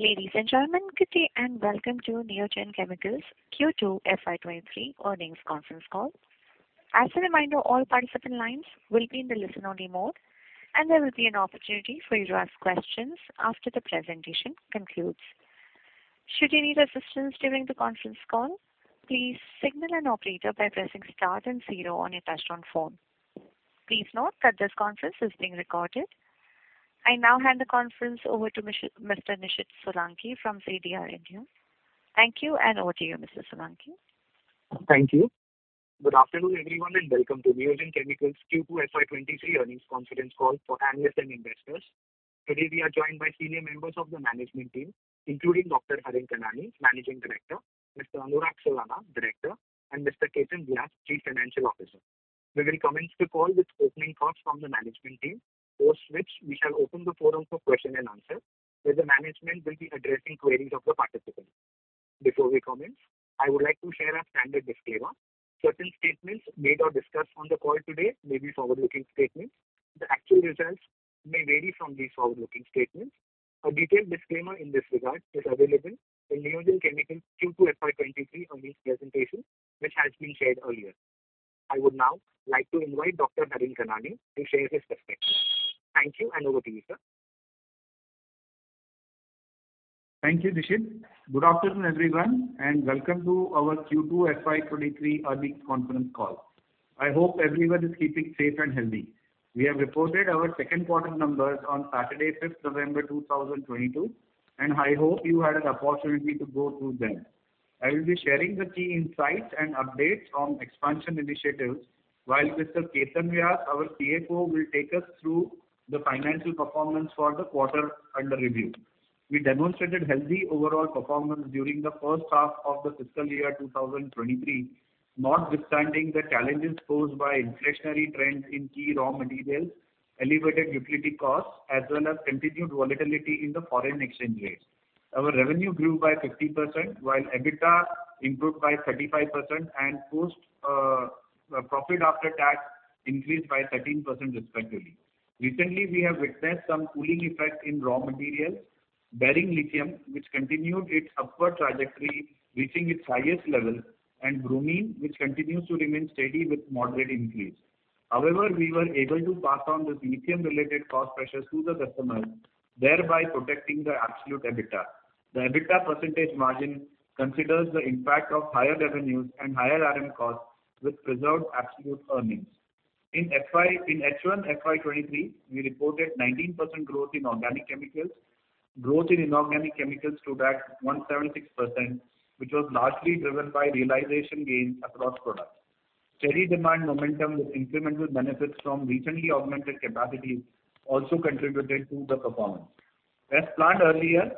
Ladies and gentlemen, good day and welcome to Neogen Chemicals Q2 FY 2023 earnings conference call. As a reminder, all participant lines will be in the listen-only mode, and there will be an opportunity for you to ask questions after the presentation concludes. Should you need assistance during the conference call, please signal an operator by pressing star then zero on your touch-tone phone. Please note that this conference is being recorded. I now hand the conference over to Mr. Nishid Solanki from CDR India. Thank you, and over to you, Mr. Solanki. Thank you. Good afternoon, everyone, and welcome to Neogen Chemicals Q2 FY 2023 earnings conference call for analysts and investors. Today, we are joined by senior members of the management team, including Dr. Harin Kanani, Managing Director, Mr. Anurag Surana, Director, and Mr. Ketan Vyas, Chief Financial Officer. We will commence the call with opening thoughts from the management team, post which we shall open the forum for question and answer, where the management will be addressing queries of the participants. Before we commence, I would like to share our standard disclaimer. Certain statements made or discussed on the call today may be forward-looking statements. The actual results may vary from these forward-looking statements. A detailed disclaimer in this regard is available in Neogen Chemicals Q2 FY 2023 earnings presentation, which has been shared earlier. I would now like to invite Dr. Harin Kanani to share his perspective. Thank you, over to you, sir. Thank you, Nishid. Good afternoon, everyone, and welcome to our Q2 FY 2023 earnings conference call. I hope everyone is keeping safe and healthy. We have reported our second quarter numbers on Saturday, 5th November 2022, and I hope you had an opportunity to go through them. I will be sharing the key insights and updates from expansion initiatives while Mr. Ketan Vyas, our CFO, will take us through the financial performance for the quarter under review. We demonstrated healthy overall performance during the first half of the fiscal year 2023, notwithstanding the challenges posed by inflationary trends in key raw materials, elevated utility costs, as well as continued volatility in the foreign exchange rates. Our revenue grew by 50%, while EBITDA improved by 35% and PAT increased by 13%, respectively. Recently, we have witnessed some cooling effect in raw materials, barring lithium, which continued its upward trajectory, reaching its highest level, and bromine, which continues to remain steady with moderate increase. However, we were able to pass on this lithium-related cost pressures to the customers, thereby protecting the absolute EBITDA. The EBITDA percentage margin considers the impact of higher revenues and higher RM costs with preserved absolute earnings. In H1 FY 2023, we reported 19% growth in organic chemicals. Growth in inorganic chemicals stood at 176%, which was largely driven by realization gains across products. Steady demand momentum with incremental benefits from recently augmented capacities also contributed to the performance. As planned earlier,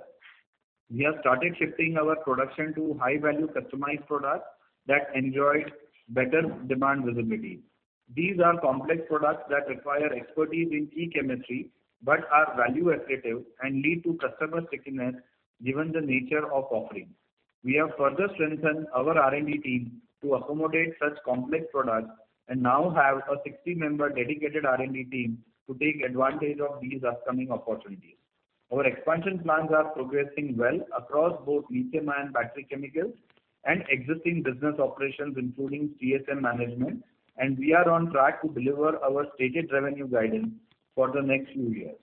we have started shifting our production to high-value customized products that enjoyed better demand visibility. These are complex products that require expertise in key chemistry, but are value-additive and lead to customer stickiness, given the nature of offering. We have further strengthened our R&D team to accommodate such complex products and now have a 60-member dedicated R&D team to take advantage of these upcoming opportunities. Our expansion plans are progressing well across both lithium-ion battery chemicals and existing business operations, including CSM management, and we are on track to deliver our stated revenue guidance for the next few years.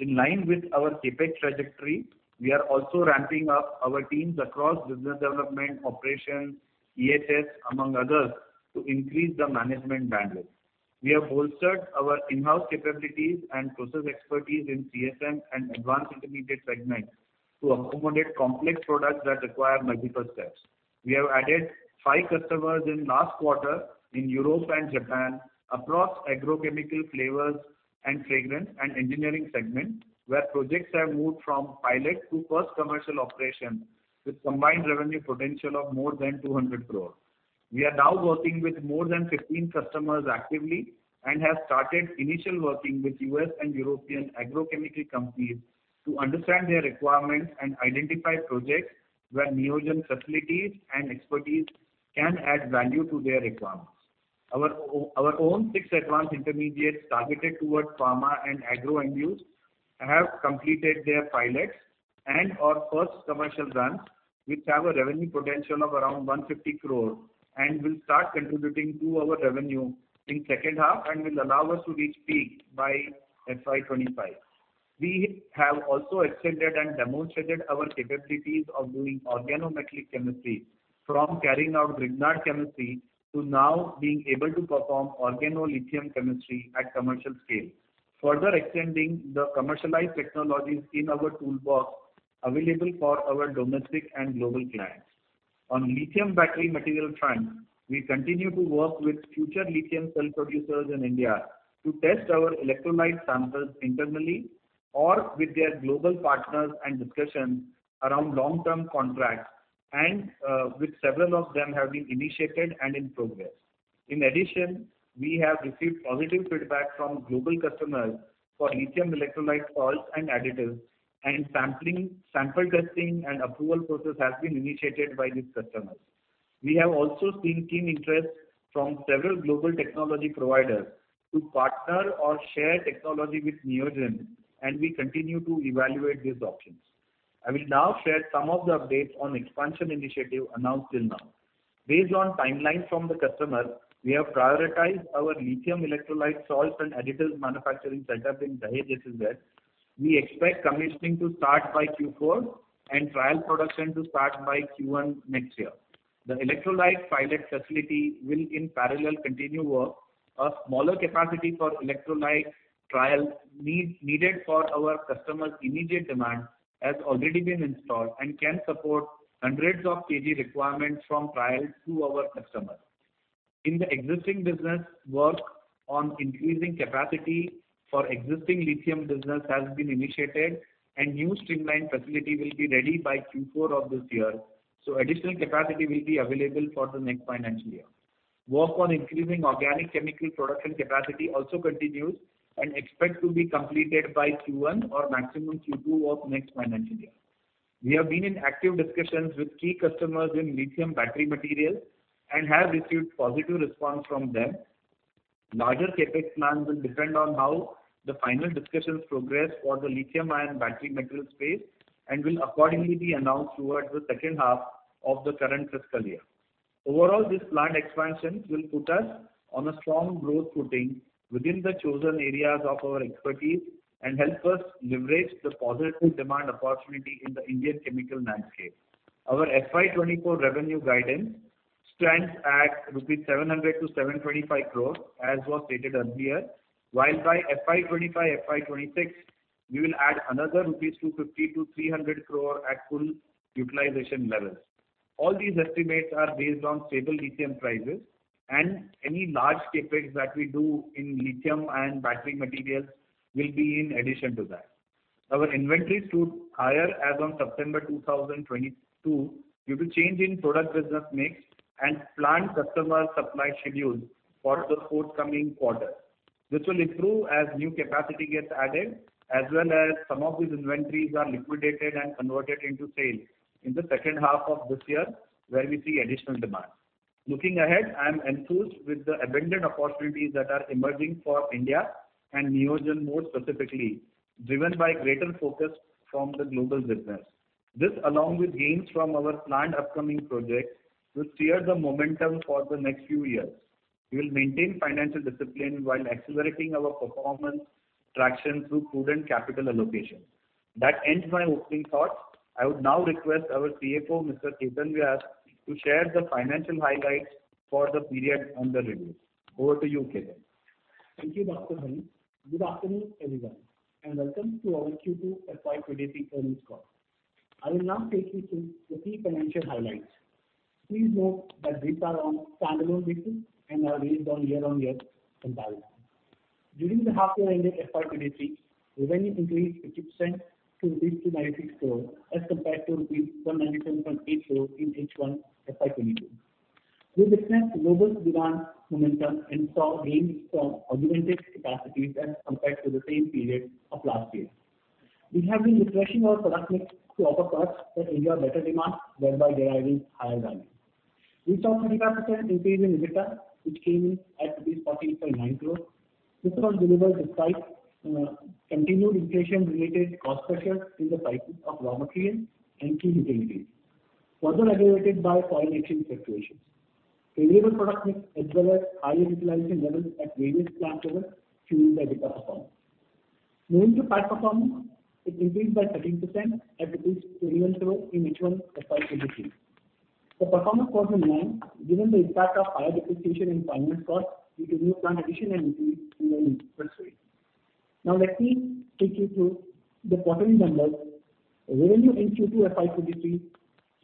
In line with our CapEx trajectory, we are also ramping up our teams across business development, operations, EHS, among others, to increase the management bandwidth. We have bolstered our in-house capabilities and process expertise in CSM and advanced intermediate segments to accommodate complex products that require multiple steps. We have added five customers in last quarter in Europe and Japan across agrochemical, flavors and fragrance, and engineering segment, where projects have moved from pilot to first commercial operation with combined revenue potential of more than 200 crore. We are now working with more than 15 customers actively and have started initial working with U.S. and European agrochemical companies to understand their requirements and identify projects where Neogen facilities and expertise can add value to their requirements. Our own six advanced intermediates targeted toward pharma and agro end use have completed their pilots and/or first commercial runs, which have a revenue potential of around 150 crore and will start contributing to our revenue in second half and will allow us to reach peak by FY 2025. We have also extended and demonstrated our capabilities of doing organometallic chemistry from carrying out Grignard chemistry to now being able to perform organolithium chemistry at commercial scale, further extending the commercialized technologies in our toolbox available for our domestic and global clients. On lithium battery material front, we continue to work with future lithium cell producers in India to test our electrolyte samples internally or with their global partners and discussions around long-term contracts and with several of them have been initiated and in progress. In addition, we have received positive feedback from global customers for lithium electrolyte salts and additives and sample testing and approval process has been initiated by these customers. We have also seen keen interest from several global technology providers to partner or share technology with Neogen, and we continue to evaluate these options. I will now share some of the updates on expansion initiative announced till now. Based on timelines from the customer, we have prioritized our lithium electrolyte salts and additives manufacturing setup in Dahej, Gujarat. We expect commissioning to start by Q4 and trial production to start by Q1 next year. The electrolyte pilot facility will in parallel continue work. A smaller capacity for electrolyte trial needs, needed for our customer's immediate demand has already been installed and can support hundreds of kg requirements from trials to our customers. In the existing business, work on increasing capacity for existing lithium business has been initiated and new streamlined facility will be ready by Q4 of this year. Additional capacity will be available for the next financial year. Work on increasing organic chemical production capacity also continues and expect to be completed by Q1 or maximum Q2 of next financial year. We have been in active discussions with key customers in lithium battery materials and have received positive response from them. Larger CapEx plans will depend on how the final discussions progress for the lithium-ion battery material space and will accordingly be announced towards the second half of the current fiscal year. Overall, this plant expansion will put us on a strong growth footing within the chosen areas of our expertise and help us leverage the positive demand opportunity in the Indian chemical landscape. Our FY 2024 revenue guidance stands at rupees 700-725 crore, as was stated earlier. While by FY 2025, FY 2026 we will add another rupees 250-300 crore at full utilization levels. All these estimates are based on stable lithium prices and any large CapEx that we do in lithium and battery materials will be in addition to that. Our inventory stood higher as on September 2022 due to change in product business mix and planned customer supply schedules for the forthcoming quarter. This will improve as new capacity gets added as well as some of these inventories are liquidated and converted into sales in the second half of this year where we see additional demand. Looking ahead, I am enthused with the abundant opportunities that are emerging for India and Neogen more specifically, driven by greater focus from the global business. This, along with gains from our planned upcoming projects, will steer the momentum for the next few years. We will maintain financial discipline while accelerating our performance traction through prudent capital allocation. That ends my opening thoughts. I would now request our CFO, Mr. Ketan Vyas, to share the financial highlights for the period under review. Over to you, Ketan. Thank you, Dr. Harin Kanani. Good afternoon, everyone, and welcome to our Q2 FY 2023 earnings call. I will now take you through the key financial highlights. Please note that these are on standalone basis and are based on year-on-year comparison. During the half year ended FY 2023, revenue increased 50% to rupees 296 crore as compared to rupees 197.8 crore in H1 FY 2022. We witnessed global demand momentum and saw gains from augmented capacities as compared to the same period of last year. We have been refreshing our product mix to offer products that enjoy better demand, thereby deriving higher value. We saw 25% increase in EBITDA, which came in at 48.9 crore. This was delivered despite continued inflation-related cost pressures in the pricing of raw materials and key utilities, further aggravated by foreign exchange fluctuations. Favorable product mix as well as higher utilization levels at various plant levels fueled EBITDA performance. Moving to PAT performance, it increased by 13% at 21 crore in H1 FY 2023. The performance was in line given the impact of higher depreciation and finance cost due to new plant addition and increase in working capital. Now let me take you through the quarterly numbers. Revenue in Q2 FY 2023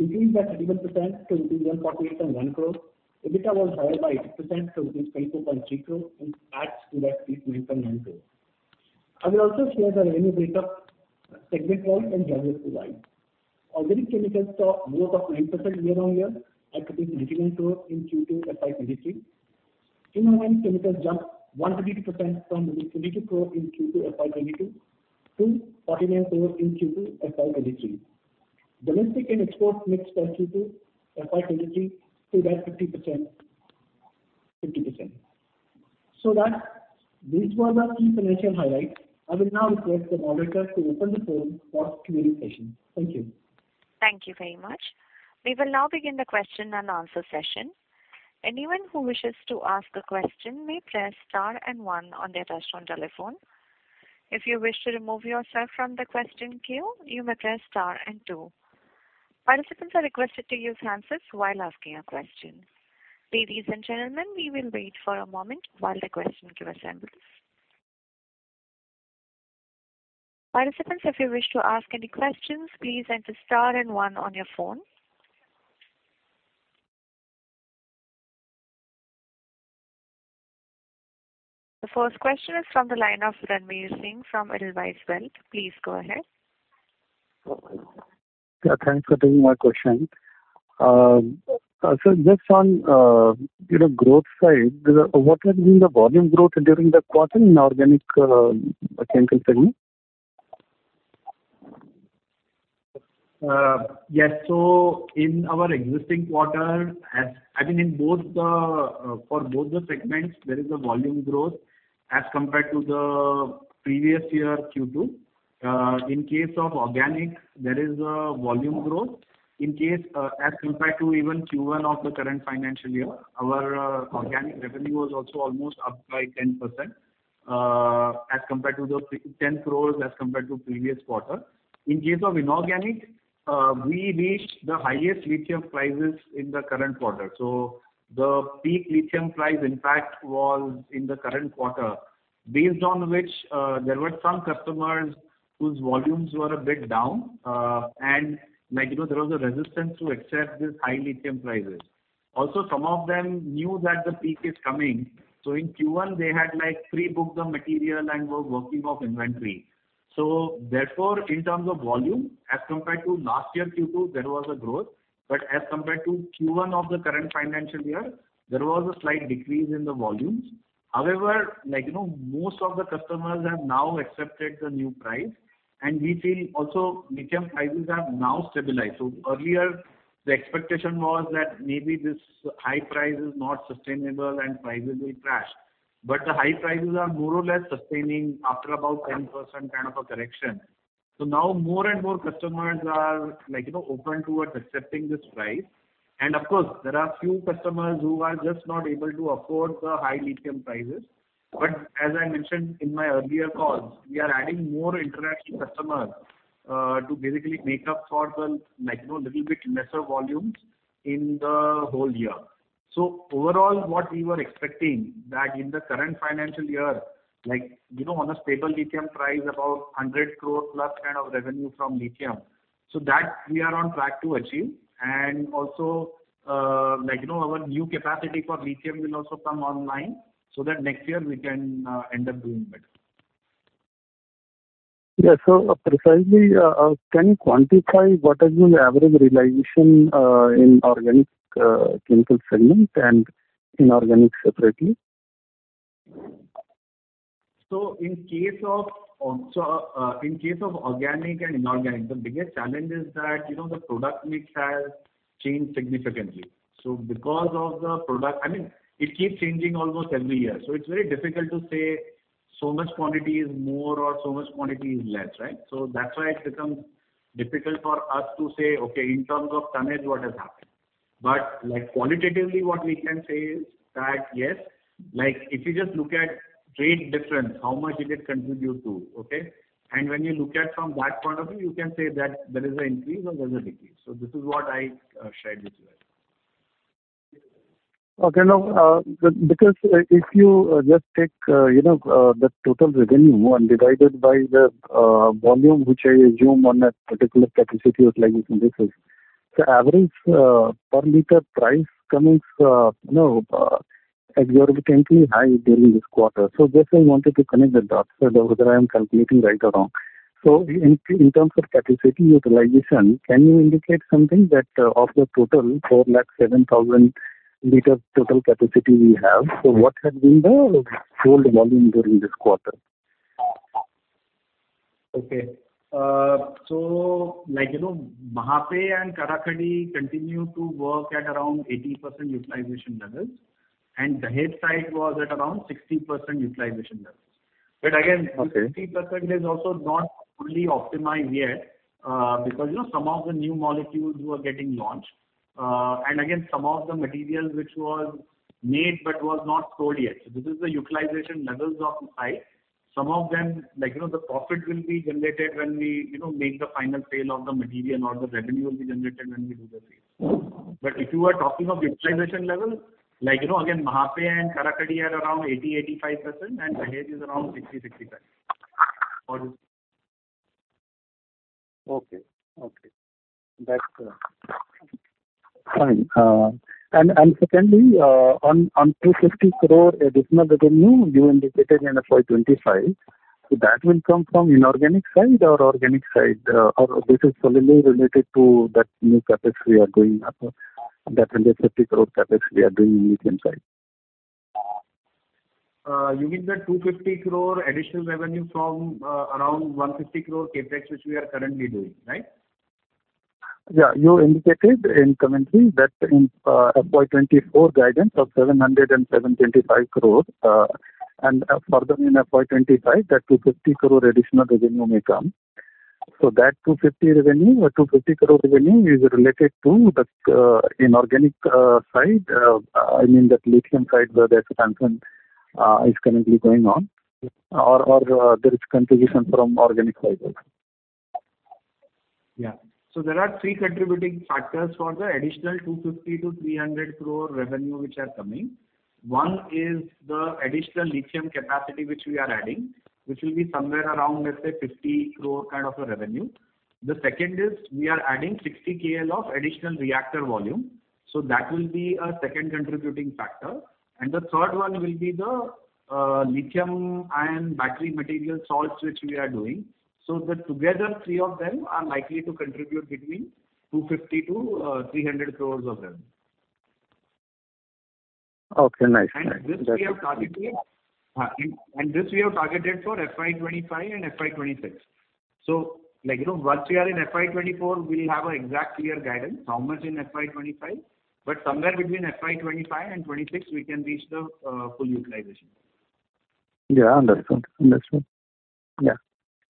increased by 11% to rupees 148.1 crore. EBITDA was higher by 8% to rupees 22.3 crore and PAT stood at 8.9 crore. I will also share the revenue breakup segment wise and geography wise. Organic chemicals saw growth of 9% year-on-year at INR 99 crore in Q2 FY 2023. Inorganic chemicals jumped 152% from INR 22 crore in Q2 FY 2022-INR 49 crore in Q2 FY 2023. Domestic and export mix for Q2 FY 2023 stood at 50%, 50%. That these were the key financial highlights. I will now request the moderator to open the floor for Q&A session. Thank you. Thank you very much. We will now begin the question-and-answer session. Anyone who wishes to ask a question may press star and one on their touchtone telephone. If you wish to remove yourself from the question queue, you may press star and two. Participants are requested to use hands-free while asking a question. Ladies and gentlemen, we will wait for a moment while the question queue assembles. Participants, if you wish to ask any questions, please enter star and one on your phone. The first question is from the line of Ranvir Singh from Edelweiss Wealth. Please go ahead. Yeah, thanks for taking my question. Just on, you know, growth side, what has been the volume growth during the quarter in organic chemical segment? Yes. In our current quarter, I think in both the segments, there is a volume growth as compared to the previous year Q2. In case of organic, there is a volume growth. In case of organic, as compared to even Q1 of the current financial year, our organic revenue was also almost up by 10% as compared to the previous quarter, INR 10 crore. In case of inorganic, we reached the highest lithium prices in the current quarter. The peak lithium price impact was in the current quarter, based on which, there were some customers whose volumes were a bit down, and like, you know, there was a resistance to accept these high lithium prices. Also, some of them knew that the peak is coming, so in Q1 they had, like, pre-booked the material and were working off inventory. Therefore, in terms of volume, as compared to last year Q2, there was a growth. as compared to Q1 of the current financial year, there was a slight decrease in the volumes. However, like, you know, most of the customers have now accepted the new price, and we feel also lithium prices have now stabilized. Earlier, the expectation was that maybe this high price is not sustainable and prices will crash, but the high prices are more or less sustaining after about 10% kind of a correction. Now more and more customers are, like, you know, open towards accepting this price. Of course, there are few customers who are just not able to afford the high lithium prices. As I mentioned in my earlier calls, we are adding more international customers to basically make up for the, like, you know, little bit lesser volumes in the whole year. Overall, what we were expecting, that in the current financial year, like, you know, on a stable lithium price, about 100 crore plus kind of revenue from lithium, so that we are on track to achieve. Also, like, you know, our new capacity for lithium will also come online so that next year we can end up doing better. Yeah. Precisely, can you quantify what has been the average realization in organic chemical segment and inorganic separately? In case of organic and inorganic, the biggest challenge is that, you know, the product mix has changed significantly, because of the product mix, I mean, it keeps changing almost every year, so it's very difficult to say so much quantity is more or so much quantity is less, right? That's why it becomes difficult for us to say, "Okay, in terms of tonnage what has happened?" Like qualitatively, what we can say is that, "Yes, like if you just look at trade difference, how much it did contribute to, okay?" When you look at from that point of view, you can say that there is a increase or there's a decrease. This is what I shared with you. Okay. Now, because if you just take, you know, the total revenue and divide it by the, volume, which I assume on that particular capacity utilization, this is the average, per liter price comes, you know, exorbitantly high during this quarter. Just I wanted to connect the dots whether I'm calculating right or wrong. In terms of capacity utilization, can you indicate something that of the total 407,000 L total capacity we have, so what has been the sold volume during this quarter? Like, you know, Mahape and Karakhadi continue to work at around 80% utilization levels, and Dahej site was at around 60% utilization levels. Okay. 60% is also not fully optimized yet, because, you know, some of the new molecules were getting launched. Again, some of the material which was made but was not sold yet. This is the utilization levels are high. Some of them, like, you know, the profit will be generated when we, you know, make the final sale of the material or the revenue will be generated when we do the sale. If you are talking of utilization levels, like, you know, again, Mahape and Karakhadi are around 80%-85% and Dahej is around 60%-65%. That's fine. Secondly, on 250 crore additional revenue you indicated in FY 2025, so that will come from inorganic side or organic side or this is solely related to that new CapEx we are doing, that 150 crore CapEx we are doing lithium side? You mean the 250 crore additional revenue from around 150 crore CapEx which we are currently doing, right? Yeah. You indicated in commentary that in FY 2024 guidance of 707-725 crore, and further in FY 2025, that 250 crore additional revenue may come. That 250 revenue or 250 crore revenue is related to that inorganic side. I mean that lithium side where the expansion is currently going on or there is contribution from organic side also. Yeah. There are three contributing factors for the additional 250-300 crore revenue which are coming. One is the additional lithium capacity which we are adding, which will be somewhere around, let's say, 50 crore kind of a revenue. The second is we are adding 60 kg of additional reactor volume. That will be a second contributing factor. The third one will be the lithium-ion battery material salts which we are doing. Together the three of them are likely to contribute between 250-300 crores of revenue. Okay, nice. This we have targeted. That's great. This we have targeted for FY 2025 and FY 2026. Like, you know, once we are in FY 2024, we'll have an exact clear guidance how much in FY 2025, but somewhere between FY 2025 and 2026, we can reach the full utilization. Yeah. Understood.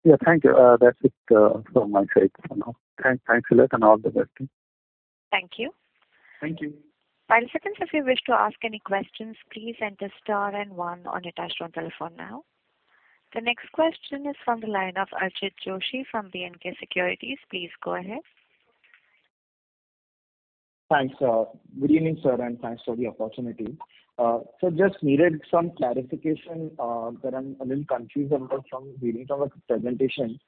Yeah. Thank you. That's it from my side for now. Thanks a lot and all the best. Thank you. Thank you. Participants, if you wish to ask any questions, please enter star and one on your touch tone telephone now. The next question is from the line of Archit Joshi from B&K Securities. Please go ahead. Thanks. Good evening, sir, and thanks for the opportunity. Just needed some clarification that I'm a little confused about from reading our presentation.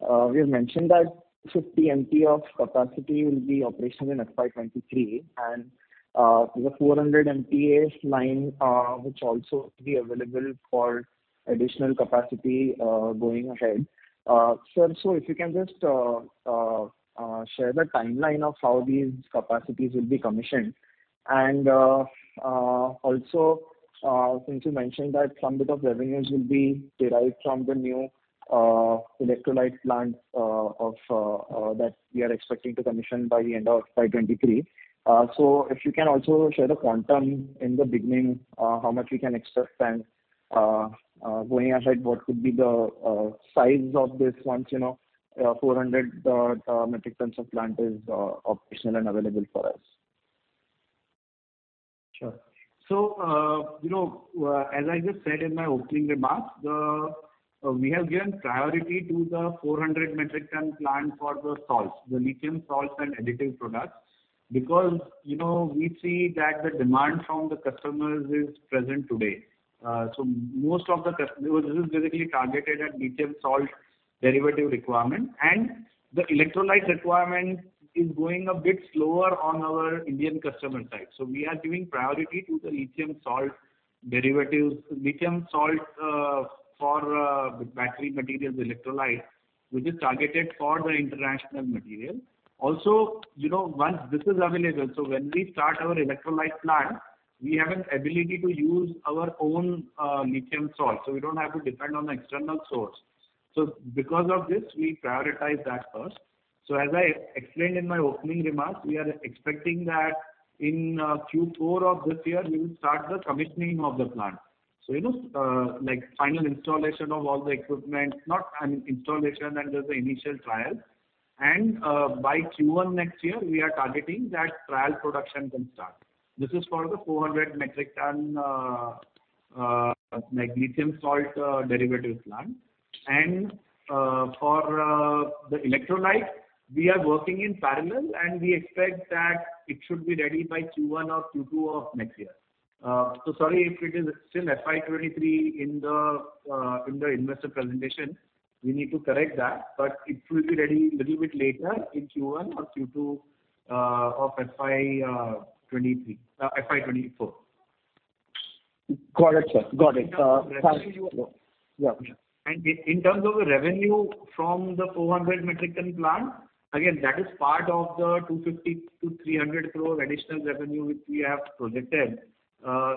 We've mentioned that 50 MTPA of capacity will be operational in FY 2023 and the 400 MTPA line which also be available for additional capacity going ahead. Sir, if you can just share the timeline of how these capacities will be commissioned. Also, since you mentioned that some bit of revenues will be derived from the new electrolyte plant of that we are expecting to commission by the end of FY 2023. If you can also share the quantum in the beginning, how much we can expect and, going ahead, what could be the size of this once, you know, 400 metric tons of plant is operational and available for us? Sure. You know, as I just said in my opening remarks, we have given priority to the 400 metric ton plant for the salts, the lithium salts and additive products, because, you know, we see that the demand from the customers is present today. This is basically targeted at lithium salt derivative requirement and the electrolyte requirement is going a bit slower on our Indian customer side. We are giving priority to the lithium salt derivatives, lithium salt, for battery materials electrolyte, which is targeted for the international market. Also, you know, once this is available, when we start our electrolyte plant, we have an ability to use our own lithium salt, so we don't have to depend on external source, because of this, we prioritize that first. As I explained in my opening remarks, we are expecting that in Q4 of this year we will start the commissioning of the plant. You know, final installation of all the equipment, just the initial trial. By Q1 next year, we are targeting that trial production can start. This is for the 400 metric ton lithium salt derivative plant. For the electrolyte, we are working in parallel, and we expect that it should be ready by Q1 or Q2 of next year. Sorry if it is still FY 2023 in the investor presentation, we need to correct that, but it will be ready little bit later in Q1 or Q2 of FY 2024. Got it, sir. Got it. Thanks. In terms of the revenue from the 400 metric ton plant, again, that is part of the 250-300 crore additional revenue which we have projected.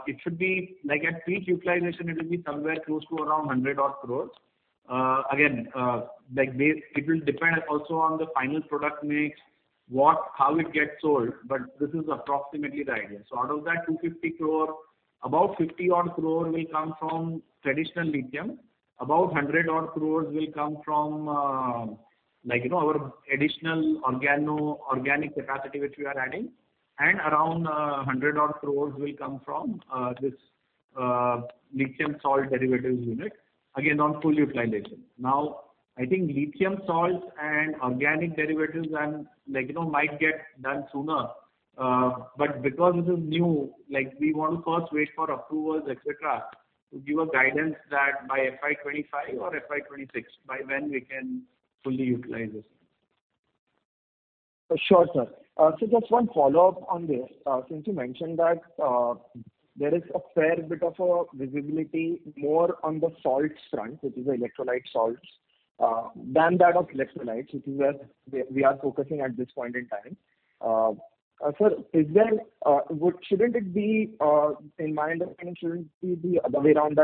It should be like at peak utilization it will be somewhere close to around 100 odd crore. Again, like it will depend also on the final product mix, what, how it gets sold, but this is approximately the idea. Out of that 250 crore, about 50 odd crore will come from traditional lithium. About 100 odd crore will come from, like, you know, our additional organic capacity which we are adding. And around 100 odd crore will come from this lithium salt derivatives unit. Again, on full utilization. Now, I think lithium salts and organic derivatives and like, you know, might get done sooner, but because this is new, like we want to first wait for approvals, et cetera, to give a guidance that by FY 2025 or FY 2026 by when we can fully utilize this. Sure, sir. Just one follow-up on this. Since you mentioned that, there is a fair bit of a visibility more on the salts front, which is the electrolyte salts, than that of electrolytes, which is where we are focusing at this point in time. Sir, shouldn't it be, in my understanding, shouldn't it be the other way around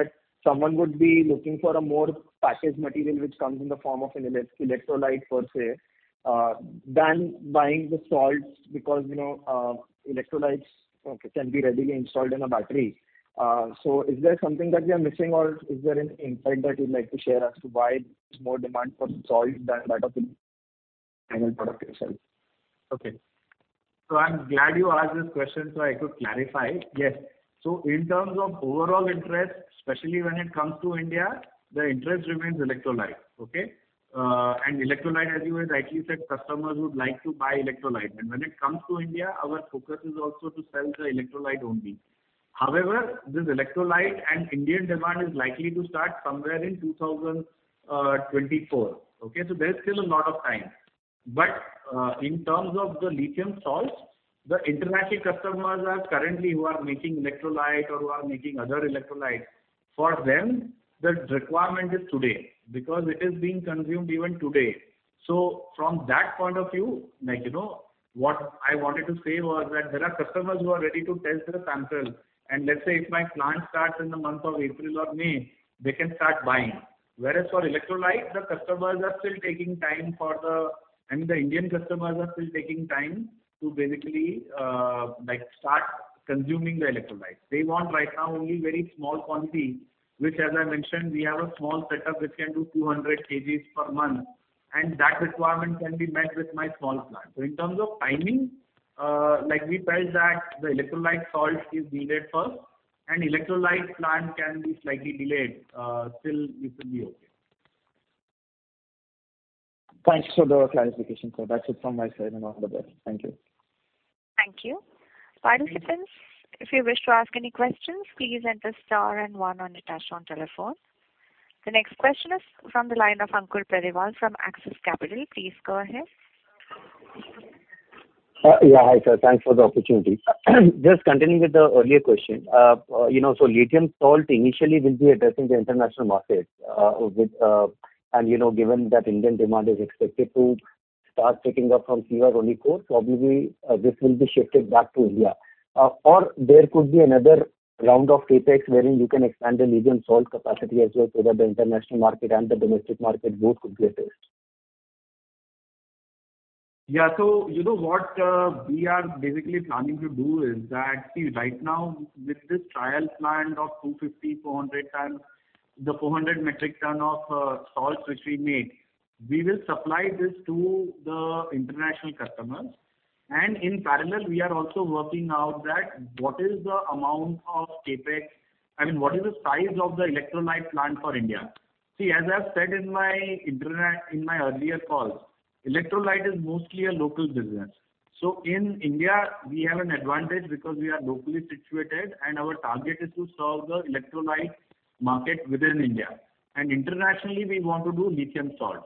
that someone would be looking for a more packaged material which comes in the form of an electrolyte per se, than buying the salts because, you know, electrolytes can be readily installed in a battery. Is there something that we are missing or is there an insight that you'd like to share as to why there's more demand for the salts than that of the final product itself? Okay. I'm glad you asked this question so I could clarify. Yes. In terms of overall interest, especially when it comes to India, the interest remains electrolyte. Okay? Electrolyte, as you have rightly said, customers would like to buy electrolyte, and when it comes to India, our focus is also to sell the electrolyte only. However, this electrolyte and Indian demand is likely to start somewhere in 2024. Okay? There's still a lot of time. In terms of the lithium salts, the international customers are currently who are making electrolyte or who are making other electrolytes, for them, the requirement is today because it is being consumed even today. From that point of view, like, you know, what I wanted to say was that there are customers who are ready to test the samples, and let's say if my plant starts in the month of April or May, they can start buying. Whereas for electrolytes, the customers are still taking time for the I mean, the Indian customers are still taking time to basically, like, start consuming the electrolytes. They want right now only very small quantity, which as I mentioned, we have a small setup which can do 200 kg per month, and that requirement can be met with my small plant. In terms of timing, like we felt that the electrolyte salt is needed first and electrolyte plant can be slightly delayed, still it will be okay. Thanks for the clarification, sir. That's it from my side and all the best. Thank you. Thank you. Participants, if you wish to ask any questions, please press star one on your touchtone telephone. The next question is from the line of Ankur Periwal from Axis Capital. Please go ahead. Hi, sir. Thanks for the opportunity. Just continuing with the earlier question. You know, Lithium Salt initially will be addressing the international markets, and you know, given that Indian demand is expected to start picking up from CY24, probably, this will be shifted back to India. Or there could be another round of CapEx wherein you can expand the Lithium Salt capacity as well, so that the international market and the domestic market both could be addressed. Yeah. You know what, we are basically planning to do is that, see right now with this trial plant of 250-400 tons, the 400 metric tons of salts which we made, we will supply this to the international customers. In parallel we are also working out that what is the amount of CapEx, I mean, what is the size of the electrolyte plant for India. See, as I've said in my earlier calls, electrolyte is mostly a local business. In India we have an advantage because we are locally situated and our target is to serve the electrolyte market within India. Internationally we want to do lithium salts.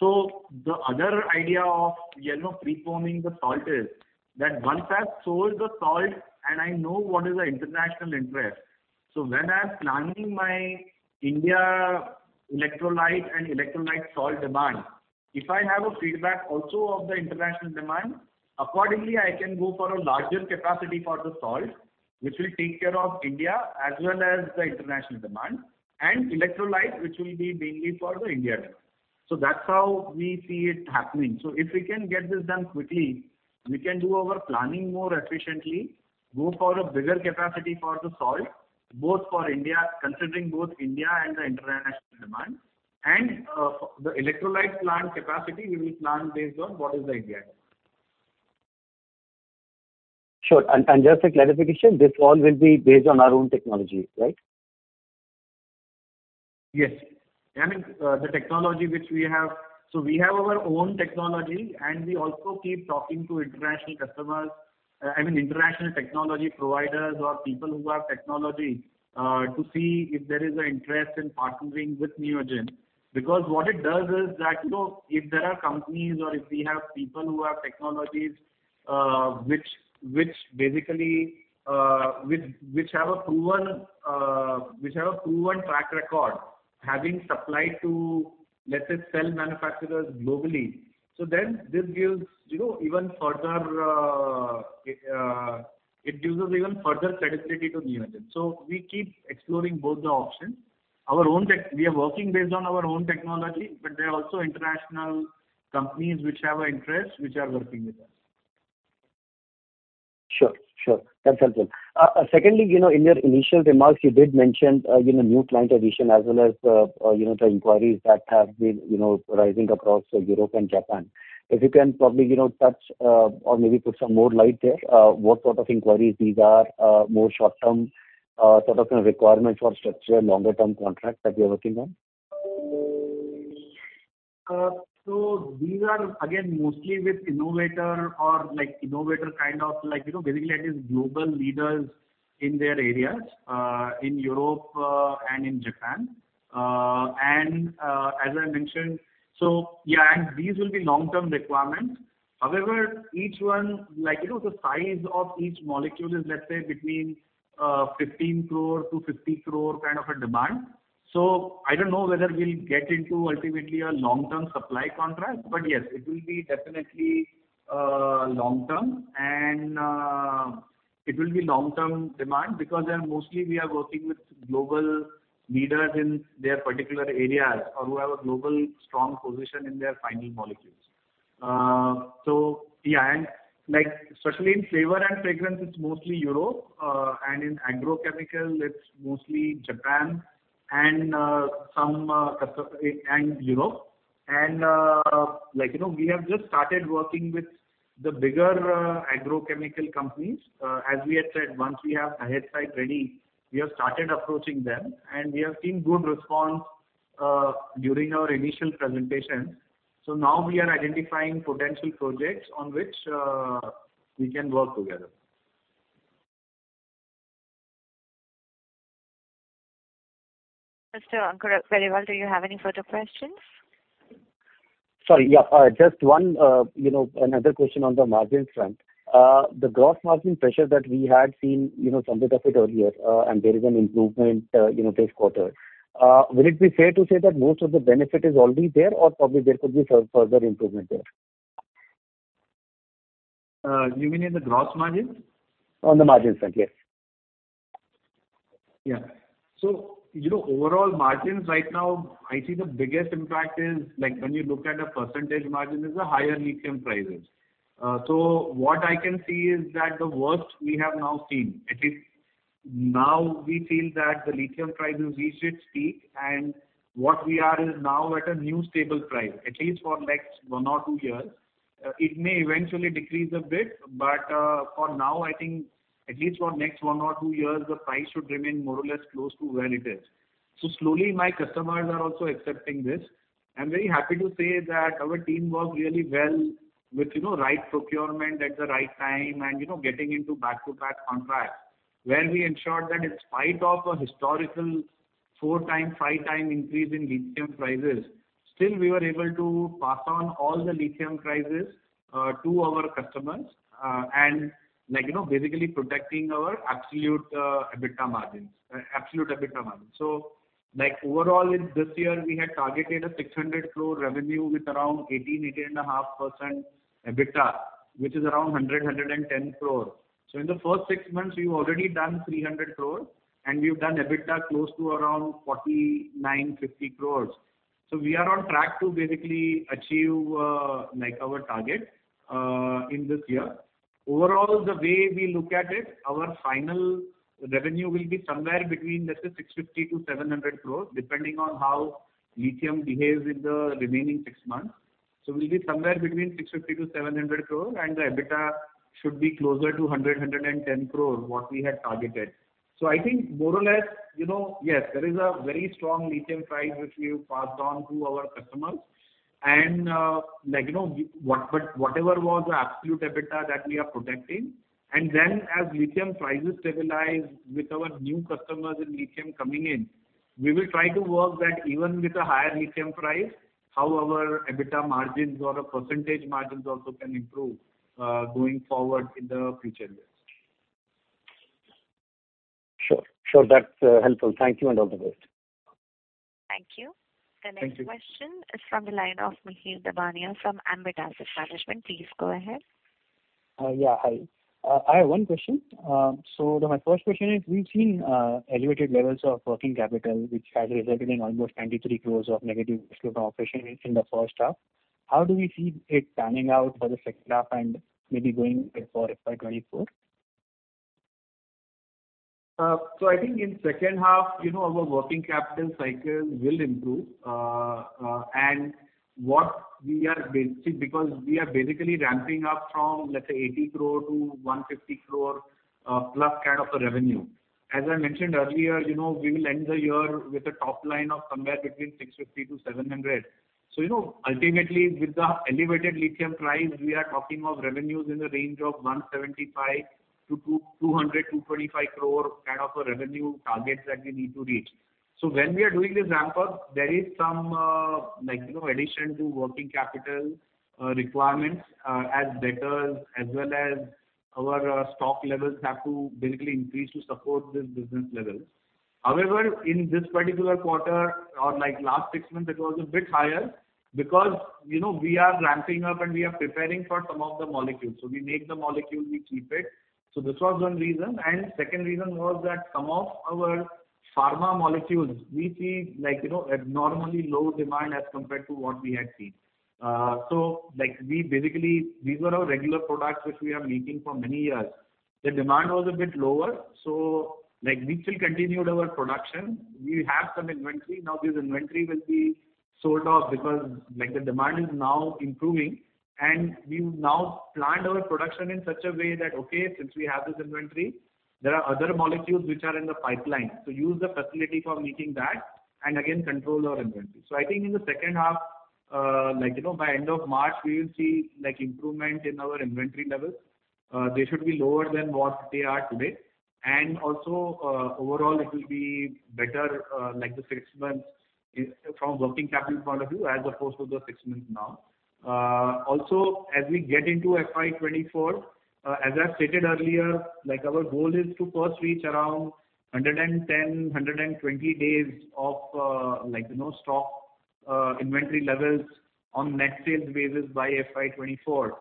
The other idea of, you know, pre-forming the salt is that once I've sold the salt and I know what is the international interest, so when I'm planning my India electrolyte and electrolyte salt demand, if I have a feedback also of the international demand, accordingly, I can go for a larger capacity for the salt, which will take care of India as well as the international demand, and electrolyte, which will be mainly for the India demand. That's how we see it happening. If we can get this done quickly, we can do our planning more efficiently, go for a bigger capacity for the salt, both for India, considering both India and the international demand and, the electrolyte plant capacity we will plan based on what is the India demand. Sure. Just a clarification, this all will be based on our own technology, right? Yes. I mean, the technology which we have. We have our own technology, and we also keep talking to international customers, I mean, international technology providers or people who have technology, to see if there is an interest in partnering with Neogen, because what it does is that, you know, if there are companies or if we have people who have technologies, which basically have a proven track record, having supplied to, let's say, cell manufacturers globally, then this gives, you know, even further, it gives us even further credibility to Neogen. We keep exploring both the options. We are working based on our own technology, but there are also international companies which have an interest, which are working with us. Sure. That's helpful. Secondly, you know, in your initial remarks, you did mention, you know, new client addition as well as, you know, the inquiries that have been, you know, rising across Europe and Japan. If you can probably, you know, touch, or maybe put some more light there, what sort of inquiries these are, more short-term, sort of requirements or structure longer term contracts that you're working on? These are again, mostly with innovator or like innovator kind of like, you know, basically I guess global leaders in their areas, in Europe, and in Japan. As I mentioned, yeah, and these will be long-term requirements. However, each one, like, you know, the size of each molecule is, let's say between 15 crore-50 crore kind of a demand. I don't know whether we'll get into ultimately a long-term supply contract. Yes, it will be definitely long-term and it will be long-term demand because they are mostly we are working with global leaders in their particular areas or who have a global strong position in their final molecules. Yeah, and like especially in flavor and fragrance, it's mostly Europe, and in agrochemical it's mostly Japan and Europe, and like, you know, we have just started working with the bigger agrochemical companies. As we had said, once we have our Dahej site Ready, we have started approaching them, and we have seen good response during our initial presentations. Now we are identifying potential projects on which we can work together. Mr. Ankur Periwal, do you have any further questions? Sorry. Yeah. Just one, you know, another question on the margin front. The gross margin pressure that we had seen, you know, some bit of it earlier, and there is an improvement, you know, this quarter. Will it be fair to say that most of the benefit is already there or probably there could be further improvement there? You mean in the gross margin? On the margin side, yes. Yeah. You know, overall margins right now, I see the biggest impact is like when you look at a percentage margin, is the higher lithium prices. What I can see is that the worst we have now seen. At least now we feel that the lithium prices we should see and what we are is now at a new stable price, at least for next one or two years. It may eventually decrease a bit, but for now, I think at least for next one or two years, the price should remain more or less close to where it is. Slowly my customers are also accepting this. I'm very happy to say that our team worked really well with, you know, right procurement at the right time and, you know, getting into back-to-back contract. We ensured that in spite of a historical 4x, 5x increase in lithium prices, we were able to pass on all the lithium prices to our customers, and like, you know, basically protecting our absolute EBITDA margins. Like overall in this year we had targeted 600 crore revenue with around 18.5% EBITDA, which is around 110 crore. In the first six months we've already done 300 crore and we've done EBITDA close to around 49-50 crores. We are on track to basically achieve like our target in this year. Overall, the way we look at it, our final revenue will be somewhere between, let's say, 650 crore-700 crore, depending on how lithium behaves in the remaining six months. We'll be somewhere between 650-700 crore, and the EBITDA should be closer to 100-110 crore, what we had targeted. I think more or less, you know, yes, there is a very strong lithium price which we've passed on to our customers and but whatever was the absolute EBITDA that we are protecting. Then as lithium prices stabilize with our new customers in lithium coming in, we will try to work that even with a higher lithium price, how our EBITDA margins or a percentage margins also can improve, going forward in the future years. Sure, that's helpful. Thank you and all the best. Thank you. Thank you. The next question is from the line of Mihir Dabani from Ambit Asset Management. Please go ahead. Yeah. Hi. I have one question. My first question is we've seen elevated levels of working capital, which has resulted in almost 23 crore of negative cash flow from operations in the first half. How do we see it panning out for the second half and maybe going forward for FY 2024? I think in second half, you know, our working capital cycle will improve and because we are basically ramping up from, let's say, 80 crore-150 crore, plus kind of a revenue. As I mentioned earlier, you know, we will end the year with a top line of somewhere between 650 crore-700 crore. You know, ultimately with the elevated lithium price, we are talking of revenues in the range of 175 crore-225 crore kind of a revenue target that we need to reach. When we are doing this ramp up, there is some, like, you know, addition to working capital requirements, as debtors as well as our stock levels have to basically increase to support this business levels. However, in this particular quarter or like last six months it was a bit higher because, you know, we are ramping up and we are preparing for some of the molecules. So we make the molecule, we keep it. So this was one reason. Second reason was that some of our pharma molecules we see like, you know, abnormally low demand as compared to what we had seen. So like we basically, these were our regular products which we are making for many years. The demand was a bit lower. So like we still continued our production. We have some inventory. Now, this inventory will be sold off because like the demand is now improving and we've now planned our production in such a way that, okay, since we have this inventory, there are other molecules which are in the pipeline. Use the facility for making that and again control our inventory. I think in the second half, like, you know, by end of March, we will see like improvement in our inventory levels. They should be lower than what they are today. Also, overall it will be better, like the six months is from working capital point of view as opposed to the six months now. Also as we get into FY 2024, as I've stated earlier, like our goal is to first reach around 110, 120 days of, like, you know, stock, inventory levels on net sales basis by FY 2024.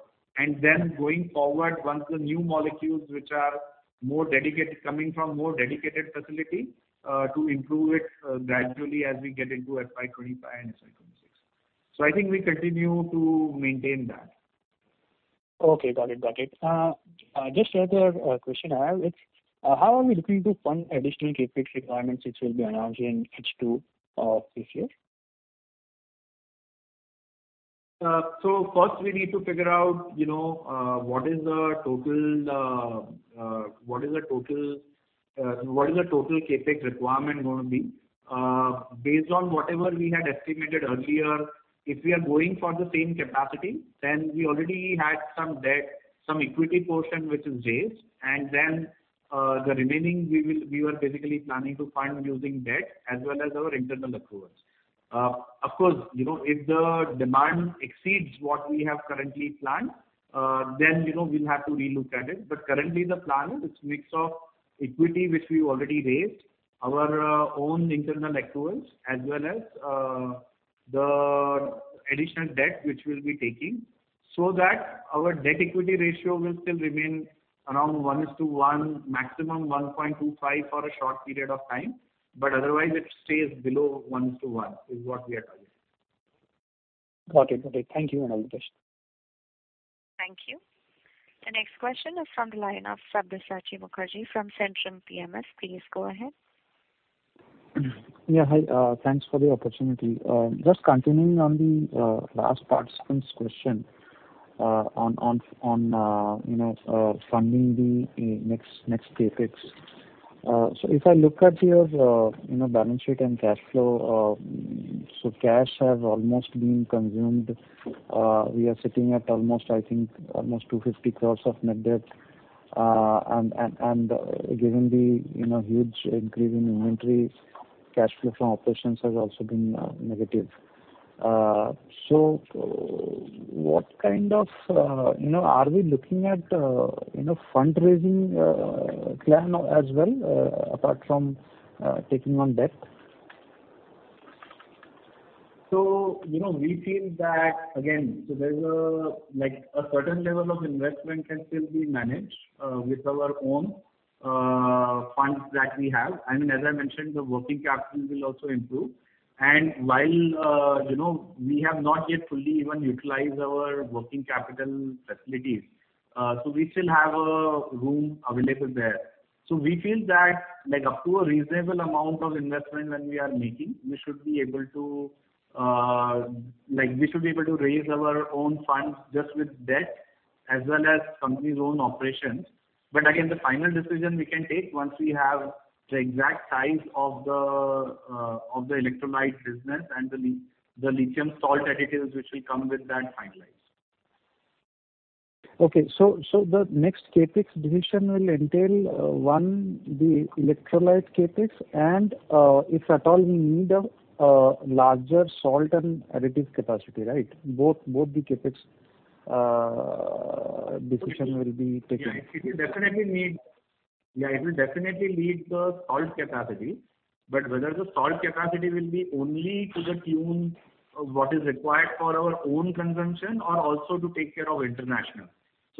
Then going forward, once the new molecules which are more dedicated, coming from more dedicated facility, to improve it, gradually as we get into FY 2025 and FY 2026. I think we continue to maintain that. Okay. Got it. Just the other question I have is, how are we looking to fund additional CapEx requirements which will be announced in H2 of this year? First we need to figure out, you know, what is the total CapEx requirement going to be. Based on whatever we had estimated earlier, if we are going for the same capacity, then we already had some debt, some equity portion which is raised, and then the remaining we were basically planning to fund using debt as well as our internal accruals. Of course, you know, if the demand exceeds what we have currently planned, then you know, we'll have to relook at it. Currently the plan is its mix of equity which we already raised, our own internal accruals as well as, the additional debt which we'll be taking, so that our debt equity ratio will still remain around 1:1, maximum 1.25 for a short period of time, but otherwise it stays below 1:1, is what we are targeting. Got it. Thank you, Harin. Thank you. The next question is from the line of Sabyasachi Mukherjee from Centrum PMS. Please go ahead. Yeah, hi, thanks for the opportunity. Just continuing on the last participant's question, on you know, funding the next CapEx. So if I look at your you know, balance sheet and cash flow, so cash has almost been consumed. We are sitting at almost, I think, almost 250 crores of net debt, and given the you know, huge increase in inventory, cash flow from operations has also been negative. So what kind of you know, are we looking at you know, fundraising plan as well, apart from taking on debt? You know, we feel that again, so there's a, like, a certain level of investment can still be managed with our own funds that we have. I mean, as I mentioned, the working capital will also improve. While you know, we have not yet fully even utilized our working capital facilities, so we still have a room available there. We feel that, like, up to a reasonable amount of investment when we are making, we should be able to raise our own funds just with debt as well as company's own operations. Again, the final decision we can take once we have the exact size of the electrolyte business and the lithium salt additives which will come with that finalized. Okay. The next CapEx decision will entail one, the electrolyte CapEx, and if at all we need a larger salt and additives capacity, right? Both the CapEx decision will be taken. It will definitely need the salt capacity. Whether the salt capacity will be only to the tune of what is required for our own consumption or also to take care of international?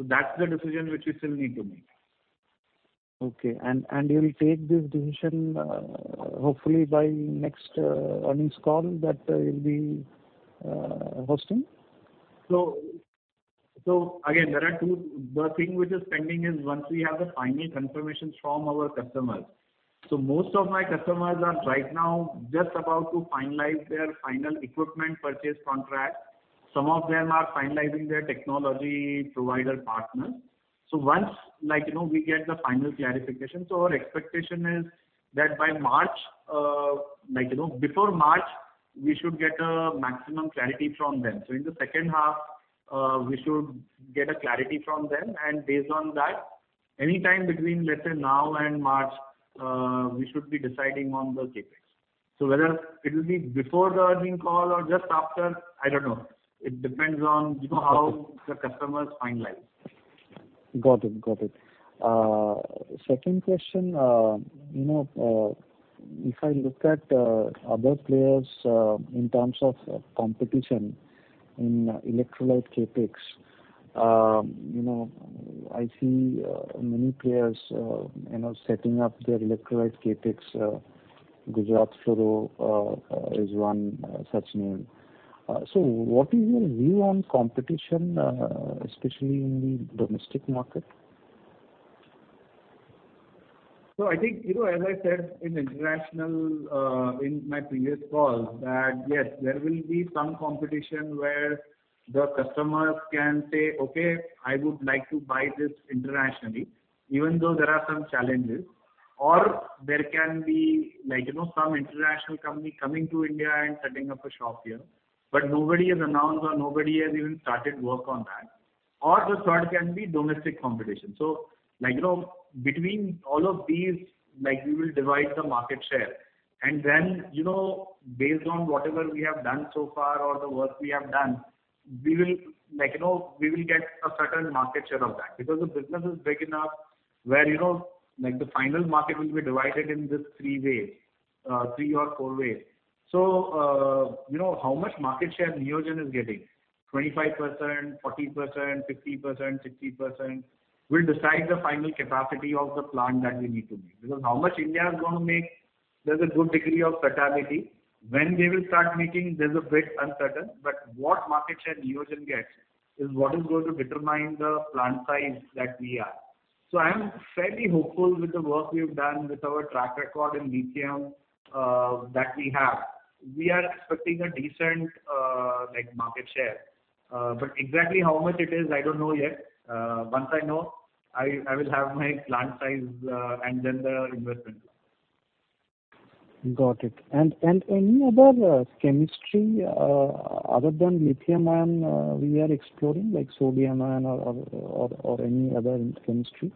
That's the decision which we still need to make. Okay. You'll take this decision, hopefully by next earnings call that you'll be hosting? The thing which is pending is once we have the final confirmations from our customers. Most of my customers are right now just about to finalize their final equipment purchase contract. Some of them are finalizing their technology provider partners. Once, like, you know, we get the final clarification, our expectation is that by March, like, you know, before March, we should get a maximum clarity from them. In the second half, we should get a clarity from them, and based on that, anytime between, let's say now and March, we should be deciding on the CapEx. Whether it'll be before the earnings call or just after, I don't know. It depends on, you know, how the customers finalize. Got it. Second question, you know, if I look at other players in terms of competition in electrolyte CapEx, you know, I see many players, you know, setting up their electrolyte CapEx. Gujarat Fluorochemicals is one such name. What is your view on competition, especially in the domestic market? I think, you know, as I said in international, in my previous calls, that yes, there will be some competition where the customers can say, "Okay, I would like to buy this internationally," even though there are some challenges. There can be, like, you know, some international company coming to India and setting up a shop here. Nobody has announced or nobody has even started work on that. The third can be domestic competition. Like, you know, between all of these, like, we will divide the market share. Then, you know, based on whatever we have done so far or the work we have done, we will, like, you know, we will get a certain market share of that, because the business is big enough where, you know, like, the final market will be divided in this three way, three or four ways. You know how much market share Neogen is getting, 25%, 40%, 50%, 60%, will decide the final capacity of the plant that we need to make, because how much India is gonna make, there's a good degree of certainty. When they will start making, there's a bit uncertain. What market share Neogen gets is what is going to determine the plant size that we have. I am fairly hopeful with the work we have done with our track record in lithium, that we have. We are expecting a decent, like, market share. Exactly how much it is, I don't know yet. Once I know, I will have my plant size, and then the investment. Got it. Any other chemistry, other than lithium-ion, we are exploring, like sodium-ion or any other chemistry?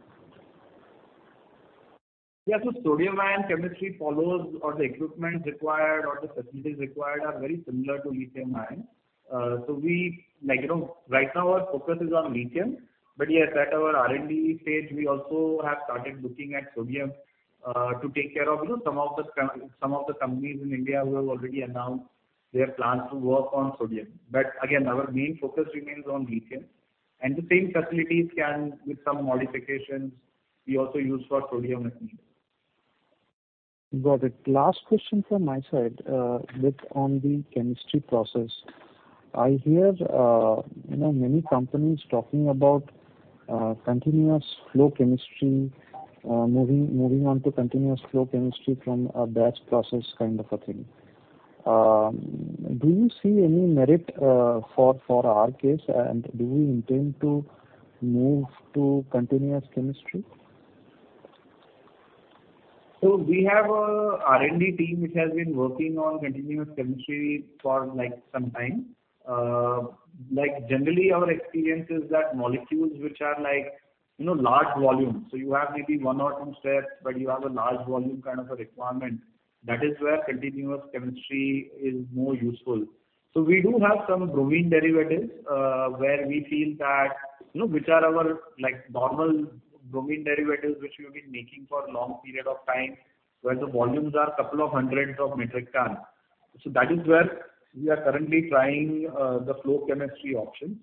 Yeah. Sodium-ion chemistry follows, or the equipment required or the facilities required are very similar to lithium-ion, so we, like, you know, right now our focus is on lithium. But yes, at our R&D stage, we also have started looking at sodium to take care of, you know, some of the companies in India who have already announced their plans to work on sodium. But again, our main focus remains on lithium and the same facilities can, with some modifications, be also used for sodium if needed. Got it. Last question from my side, with on the chemistry process. I hear, you know, many companies talking about continuous flow chemistry, moving on to continuous flow chemistry from a batch process kind of a thing. Do you see any merit for our case, and do we intend to move to continuous chemistry? We have a R&D team which has been working on continuous chemistry for like some time. Like generally our experience is that molecules which are like, you know, large volume. You have maybe one or two steps, but you have a large volume kind of a requirement. That is where continuous chemistry is more useful. We do have some bromine derivatives, where we feel that, you know, which are our like normal bromine derivatives, which we've been making for long period of time, where the volumes are couple of hundreds of metric tons. That is where we are currently trying the flow chemistry options.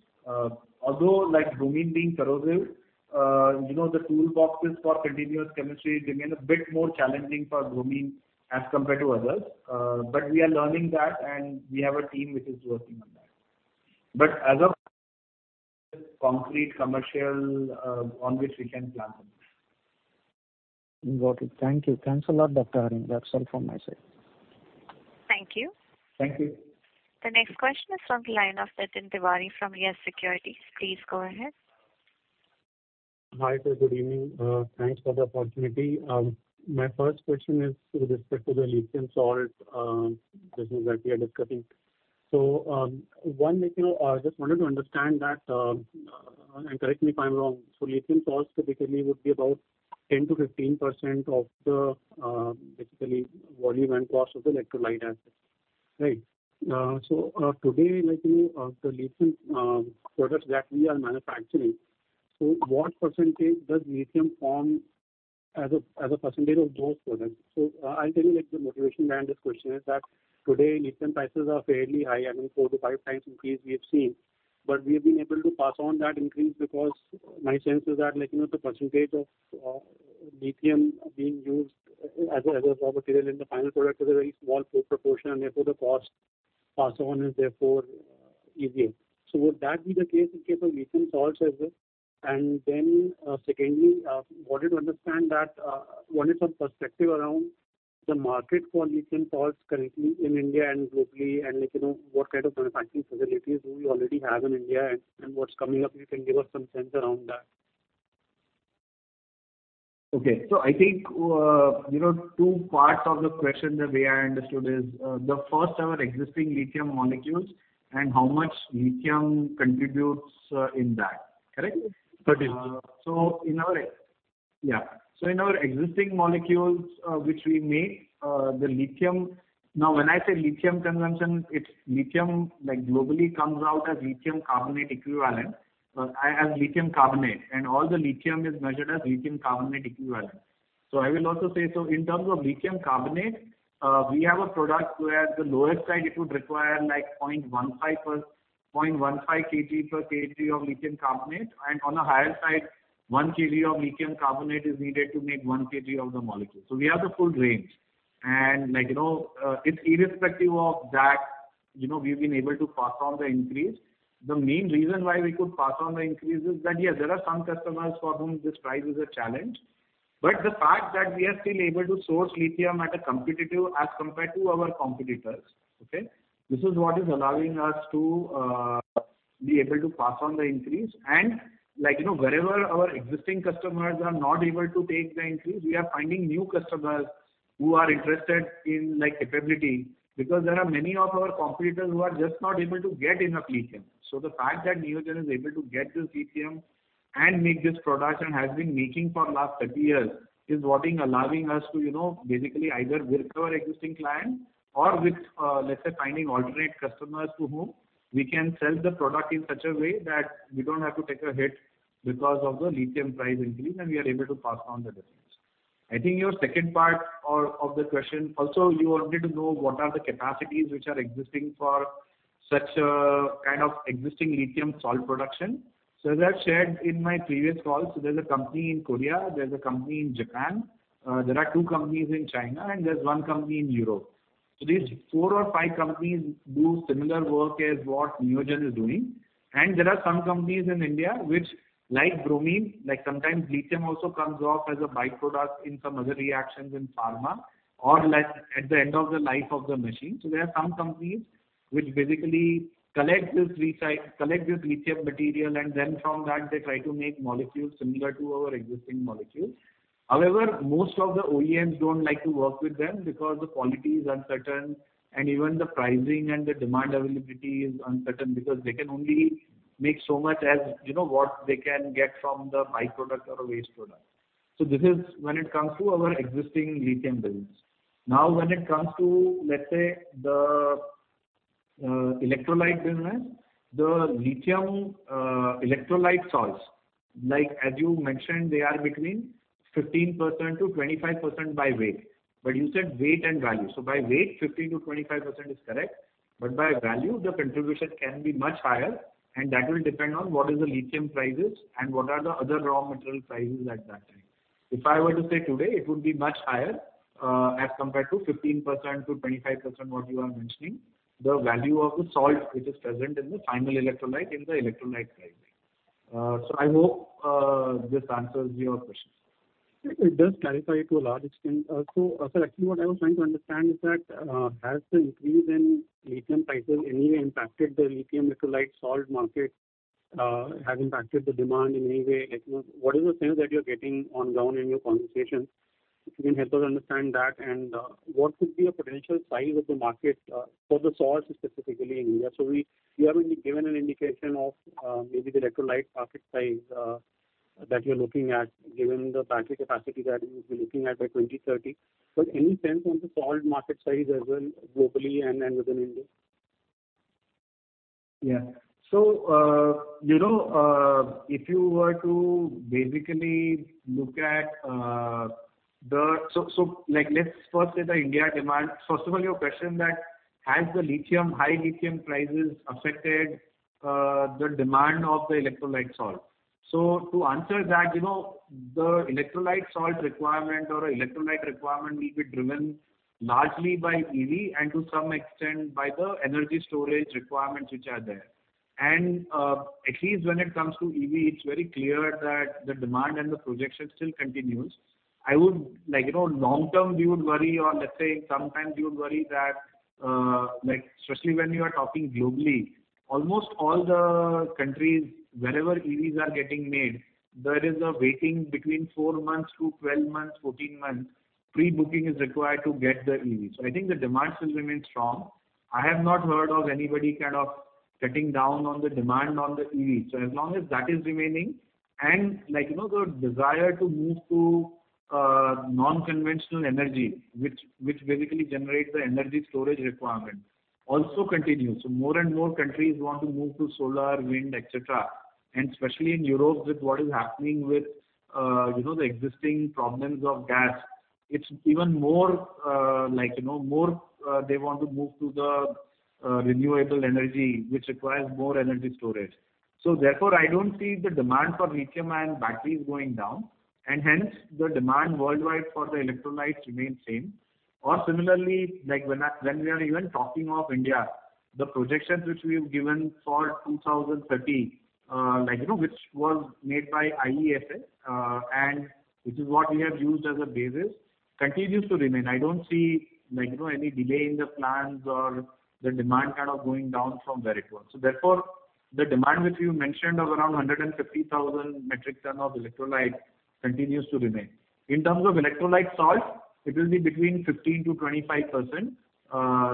Although like bromine being corrosive, you know, the toolboxes for continuous chemistry remain a bit more challenging for bromine as compared to others. We are learning that, and we have a team which is working on that. As of concrete commercial, on which we can plan on this. Got it. Thank you. Thanks a lot, Dr. Harin Kanani. That's all from my side. Thank you. Thank you. The next question is from the line of Nitin Tiwari from YES Securities. Please go ahead. Hi, sir. Good evening. Thanks for the opportunity. My first question is with respect to the lithium salt business that we are discussing. One, like, you know, I just wanted to understand that and correct me if I'm wrong. Lithium salts typically would be about 10%-15% of the, basically, volume and cost of the electrolyte assets. Right? Today, like, you know, the lithium products that we are manufacturing, what percentage does lithium form as a percentage of those products? I'll tell you, like, the motivation behind this question is that today lithium prices are fairly high. I mean, 4x-5x increase we have seen, but we have been able to pass on that increase because my sense is that, like, you know, the percentage of lithium being used as a raw material in the final product is a very small proportion, and therefore the cost pass on is therefore easier. Would that be the case in case of lithium salts as well? Secondly, wanted to understand that, what is the perspective around the market for lithium salts currently in India and globally and, like, you know, what kind of manufacturing facilities do we already have in India and what's coming up? If you can give us some sense around that. Okay. I think, you know, two parts of the question the way I understood is, the first our existing lithium molecules and how much lithium contributes, in that. Correct? Correct. In our existing molecules, which we make, the lithium. Now when I say lithium consumption, it's lithium, like globally comes out as lithium carbonate equivalent. As lithium carbonate and all the lithium is measured as lithium carbonate equivalent. I will also say so in terms of lithium carbonate, we have a product where at the lower side it would require like 0.15 per, 0.15 kg per kg of lithium carbonate, and on a higher side, 1 kg of lithium carbonate is needed to make 1 kg of the molecule. We have the full range. Like, you know, it's irrespective of that, you know, we've been able to pass on the increase. The main reason why we could pass on the increase is that, yes, there are some customers for whom this price is a challenge, but the fact that we are still able to source lithium at a competitive as compared to our competitors, okay. This is what is allowing us to be able to pass on the increase. Like, you know, wherever our existing customers are not able to take the increase, we are finding new customers who are interested in, like, capability because there are many of our competitors who are just not able to get enough lithium. The fact that Neogen is able to get this lithium and make this product and has been making for last 30 years, is what being allowing us to, you know, basically either with our existing client or with, let's say finding alternate customers to whom we can sell the product in such a way that we don't have to take a hit because of the lithium price increase, and we are able to pass on the difference. I think your second part or, of the question also you wanted to know what are the capacities which are existing for such a kind of existing lithium salt production. As I've shared in my previous calls, there's a company in Korea, there's a company in Japan, there are two companies in China, and there's one company in Europe. These four or five companies do similar work as what Neogen is doing. There are some companies in India which like bromine, like sometimes lithium also comes off as a by-product in some other reactions in pharma or like at the end of the life of the machine. There are some companies which basically collect this recycle, collect this lithium material and then from that they try to make molecules similar to our existing molecules. However, most of the OEMs don't like to work with them because the quality is uncertain and even the pricing and the demand availability is uncertain because they can only make so much as you know, what they can get from the by-product or a waste product. This is when it comes to our existing lithium business. Now, when it comes to, let's say, the electrolyte business, the lithium electrolyte salts, like as you mentioned, they are between 15%-25% by weight. You said weight and value. By weight, 15%-25% is correct. By value, the contribution can be much higher, and that will depend on what is the lithium prices and what are the other raw material prices at that time. If I were to say today, it would be much higher, as compared to 15%-25% what you are mentioning. The value of the salt which is present in the final electrolyte in the electrolyte pricing. I hope this answers your question. It does clarify to a large extent. Sir, actually what I was trying to understand is that, has the increase in lithium prices any way impacted the lithium electrolyte salt market, has impacted the demand in any way? Like, you know, what is the sense that you're getting on ground in your conversations? If you can help us understand that. What could be a potential size of the market for the salts specifically in India? You have only given an indication of maybe the electrolyte market size that you're looking at, given the battery capacity that you would be looking at by 2030. Any sense on the salt market size as well, globally and within India? You know, if you were to basically look at the India demand. First of all, your question that the high lithium prices affected the demand of the electrolyte salt? To answer that, you know, the electrolyte salt requirement or electrolyte requirement will be driven largely by EV and to some extent by the energy storage requirements which are there. At least when it comes to EV, it's very clear that the demand and the projection still continues. Like, you know, long term we would worry or let's say sometimes we would worry that, like especially when you are talking globally, almost all the countries wherever EVs are getting made, there is a waiting between four months,12 months,14 months. Pre-booking is required to get the EV. I think the demand still remains strong. I have not heard of anybody kind of cutting down on the demand on the EV. As long as that is remaining and, like, you know, the desire to move to non-conventional energy, which basically generates the energy storage requirement also continues. More and more countries want to move to solar, wind, et cetera. Especially in Europe, with what is happening with, you know, the existing problems of gas, it's even more, like, you know, more, they want to move to the renewable energy, which requires more energy storage. Therefore, I don't see the demand for lithium-ion batteries going down, and hence the demand worldwide for the electrolytes remain same. Similarly, like when we are even talking of India, the projections which we've given for 2030, like, you know, which was made by IESA, and which is what we have used as a basis, continues to remain. I don't see, like, you know, any delay in the plans or the demand kind of going down from where it was. Therefore, the demand which you mentioned of around 150,000 metric ton of electrolyte continues to remain. In terms of electrolyte salt, it will be between 15%-25%.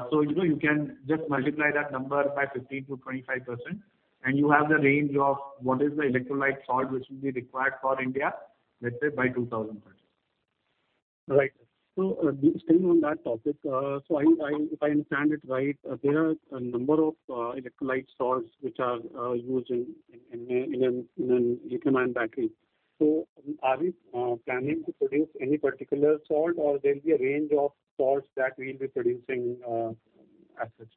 So, you know, you can just multiply that number by 15%-25%, and you have the range of what is the electrolyte salt which will be required for India, let's say by 2030. Right. Staying on that topic. If I understand it right, there are a number of electrolyte salts which are used in a lithium-ion battery. Are we planning to produce any particular salt, or there'll be a range of salts that we'll be producing as such?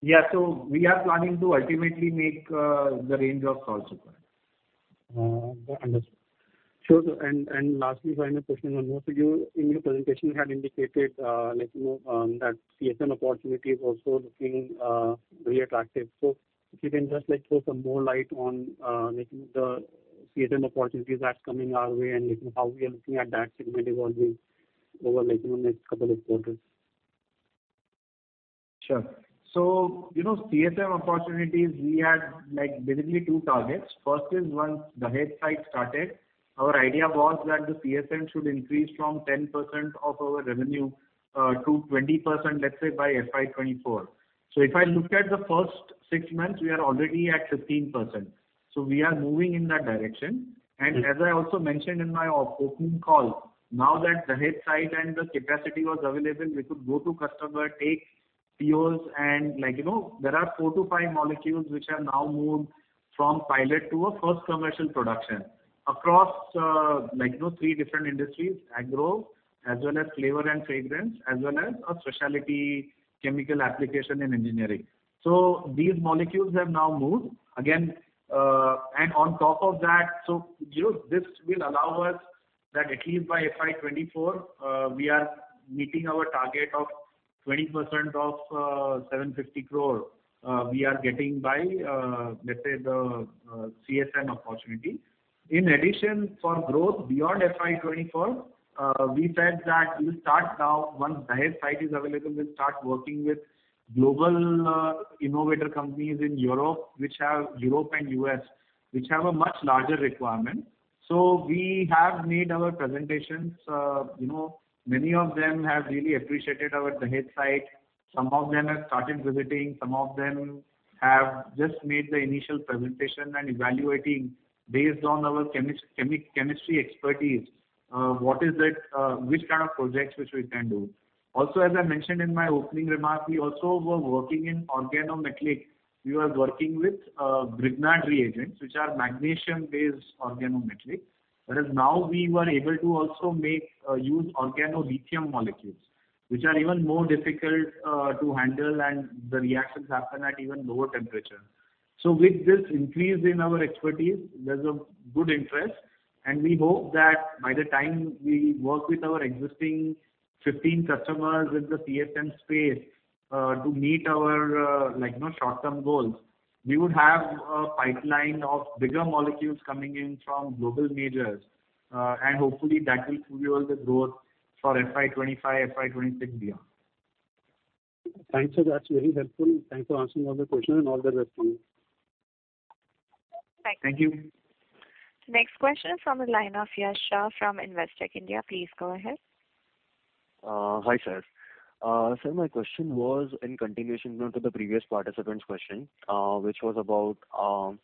Yeah. We are planning to ultimately make the range of salts required. Understood. Sure, sir. Lastly, final question on this. You, in your presentation, you had indicated, like, you know, that CSM opportunity is also looking, really attractive. If you can just, like, throw some more light on, like the CSM opportunities that's coming our way and, like, how we are looking at that segment evolving over, like, you know, next couple of quarters. Sure. You know, CSM opportunities, we had, like, basically two targets. First is once Dahej site started, our idea was that the CSM should increase from 10% of our revenue to 20%, let's say by FY 2024. If I look at the first six months, we are already at 15%, so we are moving in that direction. Yes. As I also mentioned in my opening call, now that Dahej site and the capacity was available, we could go to customer, take COAs and, like, you know. There are four-five molecules which are now moved from pilot to a first commercial production across, like, you know, three different industries, agro as well as flavor and fragrance, as well as a specialty chemical application in engineering. These molecules have now moved again. On top of that, you know, this will allow us that at least by FY 2024, we are meeting our target of 20% of 750 crore, we are getting by, let's say the CSM opportunity. In addition, for growth beyond FY 2024, we said that we'll start now. Once Dahej site is available, we'll start working with global innovator companies in Europe and U.S., which have a much larger requirement. We have made our presentations. You know, many of them have really appreciated our Dahej site. Some of them have started visiting, some of them have just made the initial presentation and evaluating based on our chemistry expertise, which kind of projects we can do. Also, as I mentioned in my opening remarks, we also were working in organometallic. We were working with Grignard reagents, which are magnesium-based organometallic. Whereas now we were able to also make use organolithium molecules, which are even more difficult to handle and the reactions happen at even lower temperature. With this increase in our expertise, there's a good interest, and we hope that by the time we work with our existing 15 customers in the CSM space, to meet our, like, you know, short-term goals, we would have a pipeline of bigger molecules coming in from global majors. Hopefully that will fuel the growth for FY 2025, FY 2026 beyond. Thanks, sir. That's very helpful. Thanks for answering all the questions, and all the best to you. Thank you. Next question is from the line of Yash Shah from Investec India. Please go ahead. Hi, sir. Sir, my question was in continuation to the previous participant's question, which was about our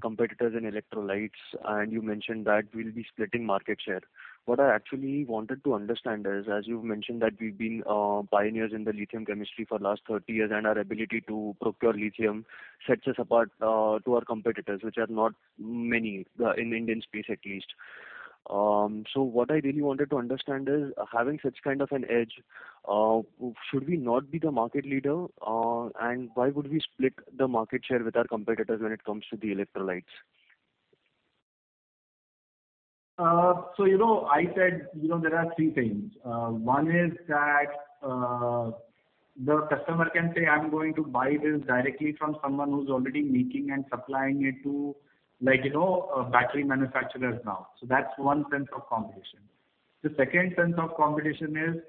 competitors in electrolytes, and you mentioned that we'll be splitting market share. What I actually wanted to understand is, as you've mentioned that we've been pioneers in the lithium chemistry for the last 30 years, and our ability to procure lithium sets us apart to our competitors, which are not many in the Indian space at least. What I really wanted to understand is, having such kind of an edge, should we not be the market leader? Why would we split the market share with our competitors when it comes to the electrolytes? You know, I said, you know, there are three things. One is that, the customer can say, "I'm going to buy this directly from someone who's already making and supplying it to, like, you know, battery manufacturers now." That's one sense of competition. The second sense of competition is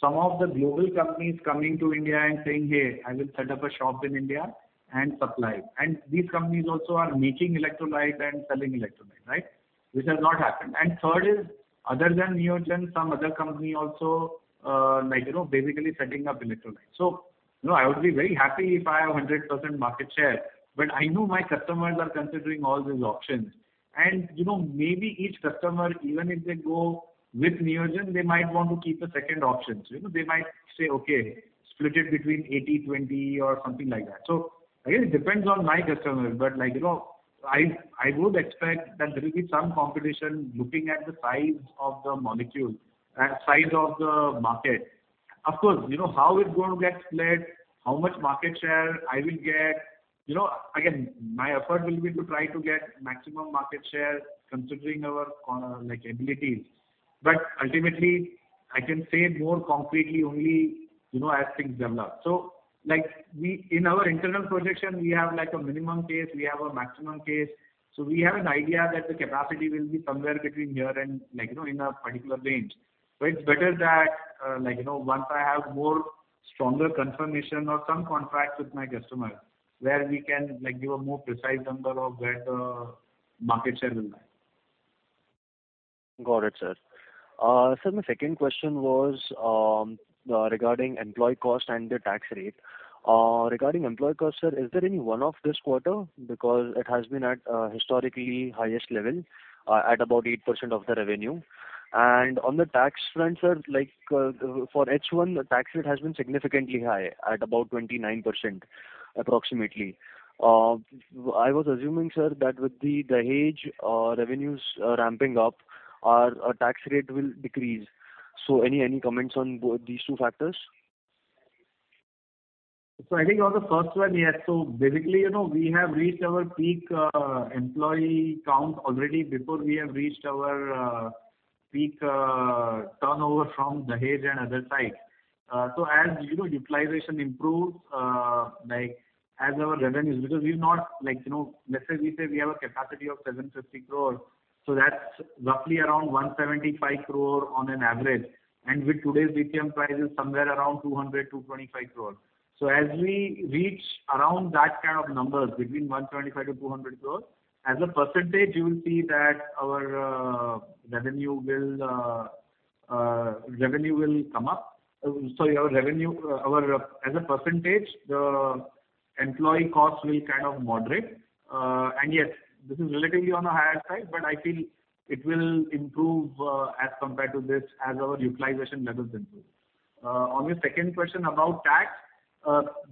some of the global companies coming to India and saying, "Hey, I will set up a shop in India and supply." These companies also are making electrolyte and selling electrolyte, right? Which has not happened. Third is, other than Neogen, some other company also, like, you know, basically setting up electrolyte. you know, I would be very happy if I have 100% market share, but I know my customers are considering all these options. You know, maybe each customer, even if they go with Neogen, they might want to keep a second option. You know, they might say, "Okay, split it between 80/20," or something like that. Again, it depends on my customers, but like, you know, I would expect that there will be some competition looking at the size of the molecule and size of the market. Of course, you know, how it's going to get split, how much market share I will get, you know, again, my effort will be to try to get maximum market share considering our like abilities. Ultimately, I can say more concretely only, you know, as things develop. Like in our internal projection, we have like a minimum case, we have a maximum case. We have an idea that the capacity will be somewhere between here and, like, you know, in a particular range. It's better that, like, you know, once I have more stronger confirmation or some contract with my customer, where we can, like, give a more precise number of where the market share will be. Got it, sir. Sir, my second question was regarding employee cost and the tax rate. Regarding employee cost, sir, is there any one-off this quarter, because it has been at historically highest level at about 8% of the revenue? On the tax front, sir, like, for H1, the tax rate has been significantly high at about 29% approximately. I was assuming, sir, that with the Dahej revenues ramping up, our tax rate will decrease. Any comments on both these two factors? I think on the first one, yes. Basically, you know, we have reached our peak employee count already before we have reached our peak turnover from Dahej and other sites. As you know, utilization improves, like, as our revenues, because we're not like, you know, let's say we have a capacity of 750 crore, so that's roughly around 175 crore on an average. With today's lithium price is somewhere around 200-225 crore. As we reach around that kind of numbers, between 125 crore-200 crore, as a percentage, you will see that our revenue will come up. Our revenue, as a percentage, the employee costs will kind of moderate. Yes, this is relatively on a higher side, but I feel it will improve, as compared to this as our utilization levels improve. On your second question about tax,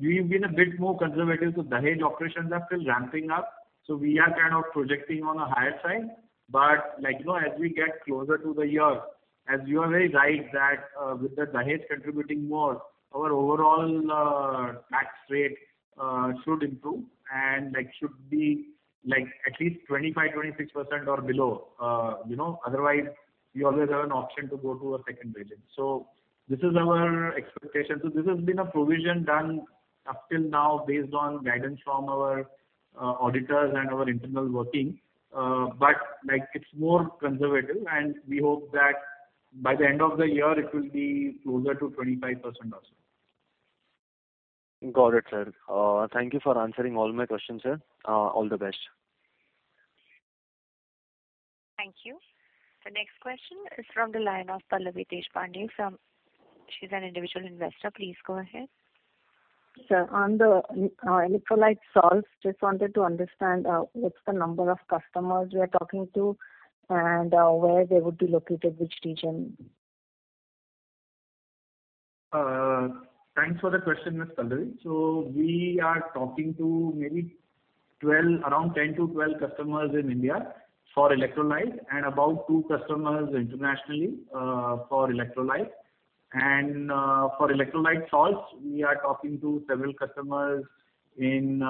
we've been a bit more conservative so Dahej operations are still ramping up, so we are kind of projecting on a higher side. Like, you know, as we get closer to the year, as you are very right that, with the Dahej contributing more, our overall tax rate should improve and, like, should be, like, at least 25%-26% or below. You know, otherwise we always have an option to go to a second rating. This is our expectation. This has been a provision done up till now based on guidance from our auditors and our internal working. Like, it's more conservative, and we hope that by the end of the year, it will be closer to 25% also. Got it, sir. Thank you for answering all my questions, sir. All the best. Thank you. The next question is from the line of Pallavi Deshpande. She's an individual investor. Please go ahead. Sir, on the electrolyte salts, just wanted to understand, what's the number of customers we are talking to and, where they would be located, which region? Thanks for the question, Ms. Pallavi. We are talking to maybe around 10-12 customers in India for electrolyte and about two customers internationally, for electrolyte. For electrolyte salts, we are talking to several customers in,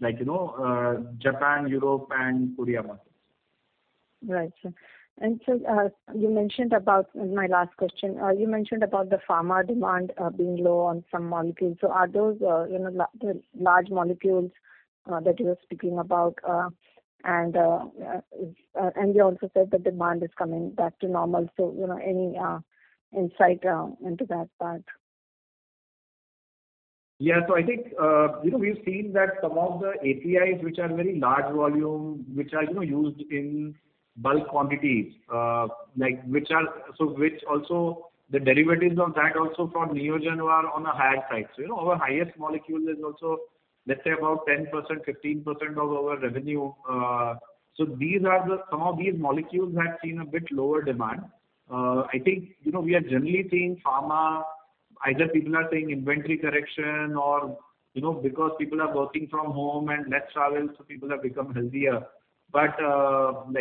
like, you know, Japan, Europe and Korea markets. Right, sir. Sir, in my last question, you mentioned about the pharma demand being low on some molecules. Are those, you know, the large molecules that you were speaking about, and you also said the demand is coming back to normal. You know, any insight into that part? I think, you know, we've seen that some of the APIs which are very large volume, which are used in bulk quantities, like which are also the derivatives of that also for Neogen are on a higher side. You know, our highest molecule is also, let's say, about 10%-15% of our revenue. Some of these molecules have seen a bit lower demand. I think, you know, we are generally seeing pharma, either people are saying inventory correction or, you know, because people are working from home and less travel, so people have become healthier. Like, you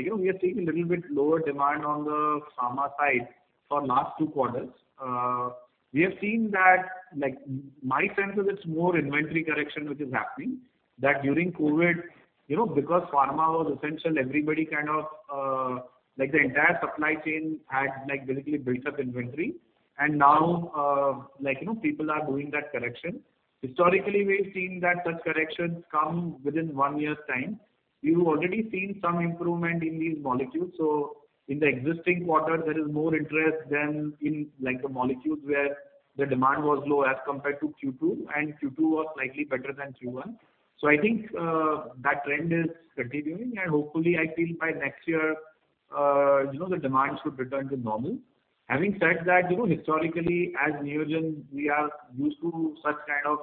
know, we are seeing a little bit lower demand on the pharma side for last two quarters. We have seen that, like, my sense is it's more inventory correction which is happening, that during COVID, you know, because pharma was essential, everybody kind of, like the entire supply chain had, like, basically built up inventory. Now, like, you know, people are doing that correction. Historically, we've seen that such corrections come within one year's time. We've already seen some improvement in these molecules. In the existing quarter, there is more interest than in, like, the molecules where the demand was low as compared to Q2, and Q2 was slightly better than Q1. I think, that trend is continuing and hopefully, I feel by next year, you know, the demand should return to normal. Having said that, you know, historically, as Neogen, we are used to such kind of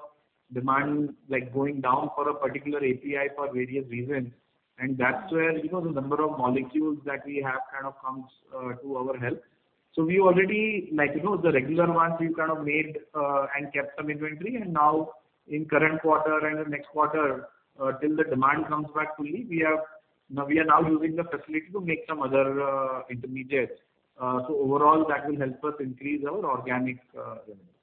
demand, like, going down for a particular API for various reasons, and that's where, you know, the number of molecules that we have kind of comes to our help. We already, like, you know, the regular ones, we've kind of made and kept some inventory. Now in current quarter and the next quarter till the demand comes back fully, we have. We are now using the facility to make some other intermediates. Overall that will help us increase our organic revenue.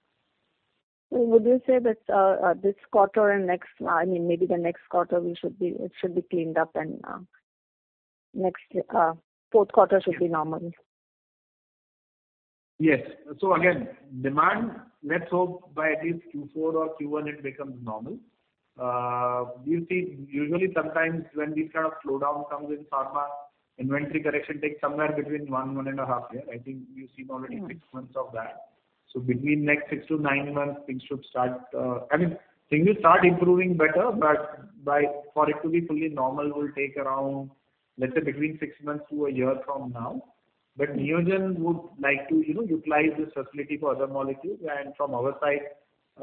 Would you say that this quarter and next, I mean maybe the next quarter, it should be cleaned up and next fourth quarter should be normal? Yes. Again, demand, let's hope by at least Q4 or Q1 it becomes normal. We've seen usually sometimes when these kind of slowdown comes in pharma, inventory correction takes somewhere between one and a half year. I think we've seen already six months of that. Between next six-nine months, I mean, things will start improving better, but by, for it to be fully normal will take around, let's say between six months to a year from now. Neogen would like to, you know, utilize this facility for other molecules. From our side,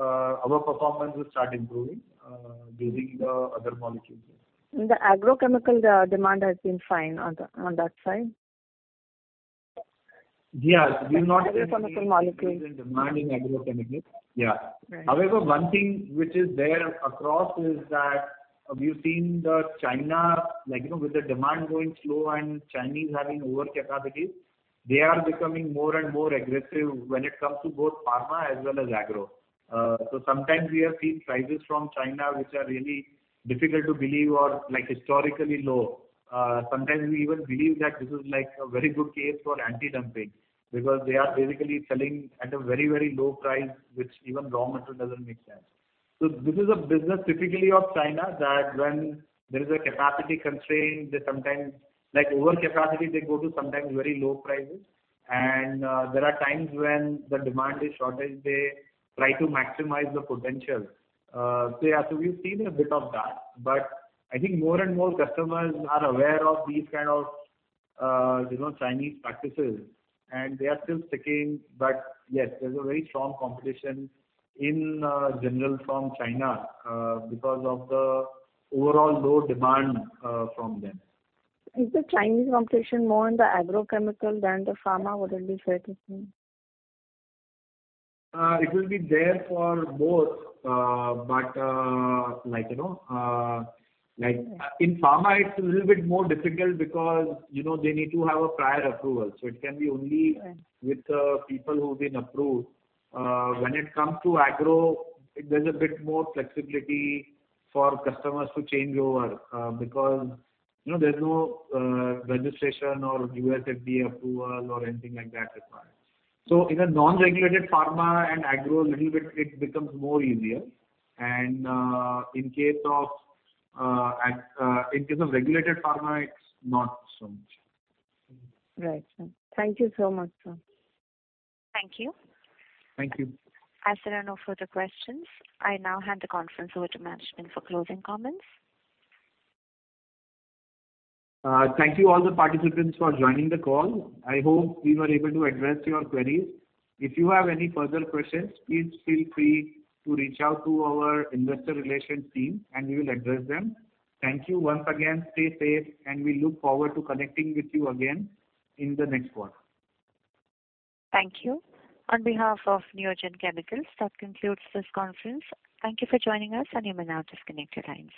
our performance will start improving using the other molecules. The agrochemical demand has been fine on that side? Yeah. Agrochemical molecules. Recent demand in agrochemicals. Yeah. Right. However, one thing which is there across is that we've seen in China, like, you know, with the demand going slow and Chinese having overcapacity, they are becoming more and more aggressive when it comes to both pharma as well as agro. Sometimes we have seen prices from China which are really difficult to believe or, like, historically low. Sometimes we even believe that this is, like, a very good case for anti-dumping because they are basically selling at a very, very low price which even raw material doesn't make sense. This is a business typically of China, that when there is a capacity constraint, they sometimes, like overcapacity, they go to sometimes very low prices. There are times when the demand is shortage, they try to maximize the potential. Yeah, we've seen a bit of that, but I think more and more customers are aware of these kind of, you know, Chinese practices and they are still sticking. Yes, there's a very strong competition in general from China because of the overall low demand from them. Is the Chinese competition more in the agrochemical than the pharma, would it be fair to say? It will be there for both. Like, you know, like in pharma it's a little bit more difficult because, you know, they need to have a prior approval, so it can be only with people who've been approved. When it comes to agro, there's a bit more flexibility for customers to change over, because, you know, there's no registration or U.S. FDA approval or anything like that required. In a non-regulated pharma and agro, little bit it becomes more easier. In case of regulated pharma it's not so much. Right. Thank you so much, sir. Thank you. Thank you. As there are no further questions, I now hand the conference over to management for closing comments. Thank you all the participants for joining the call. I hope we were able to address your queries. If you have any further questions, please feel free to reach out to our investor relations team and we will address them. Thank you once again. Stay safe, and we look forward to connecting with you again in the next quarter. Thank you. On behalf of Neogen Chemicals, that concludes this conference. Thank you for joining us, and you may now disconnect your lines.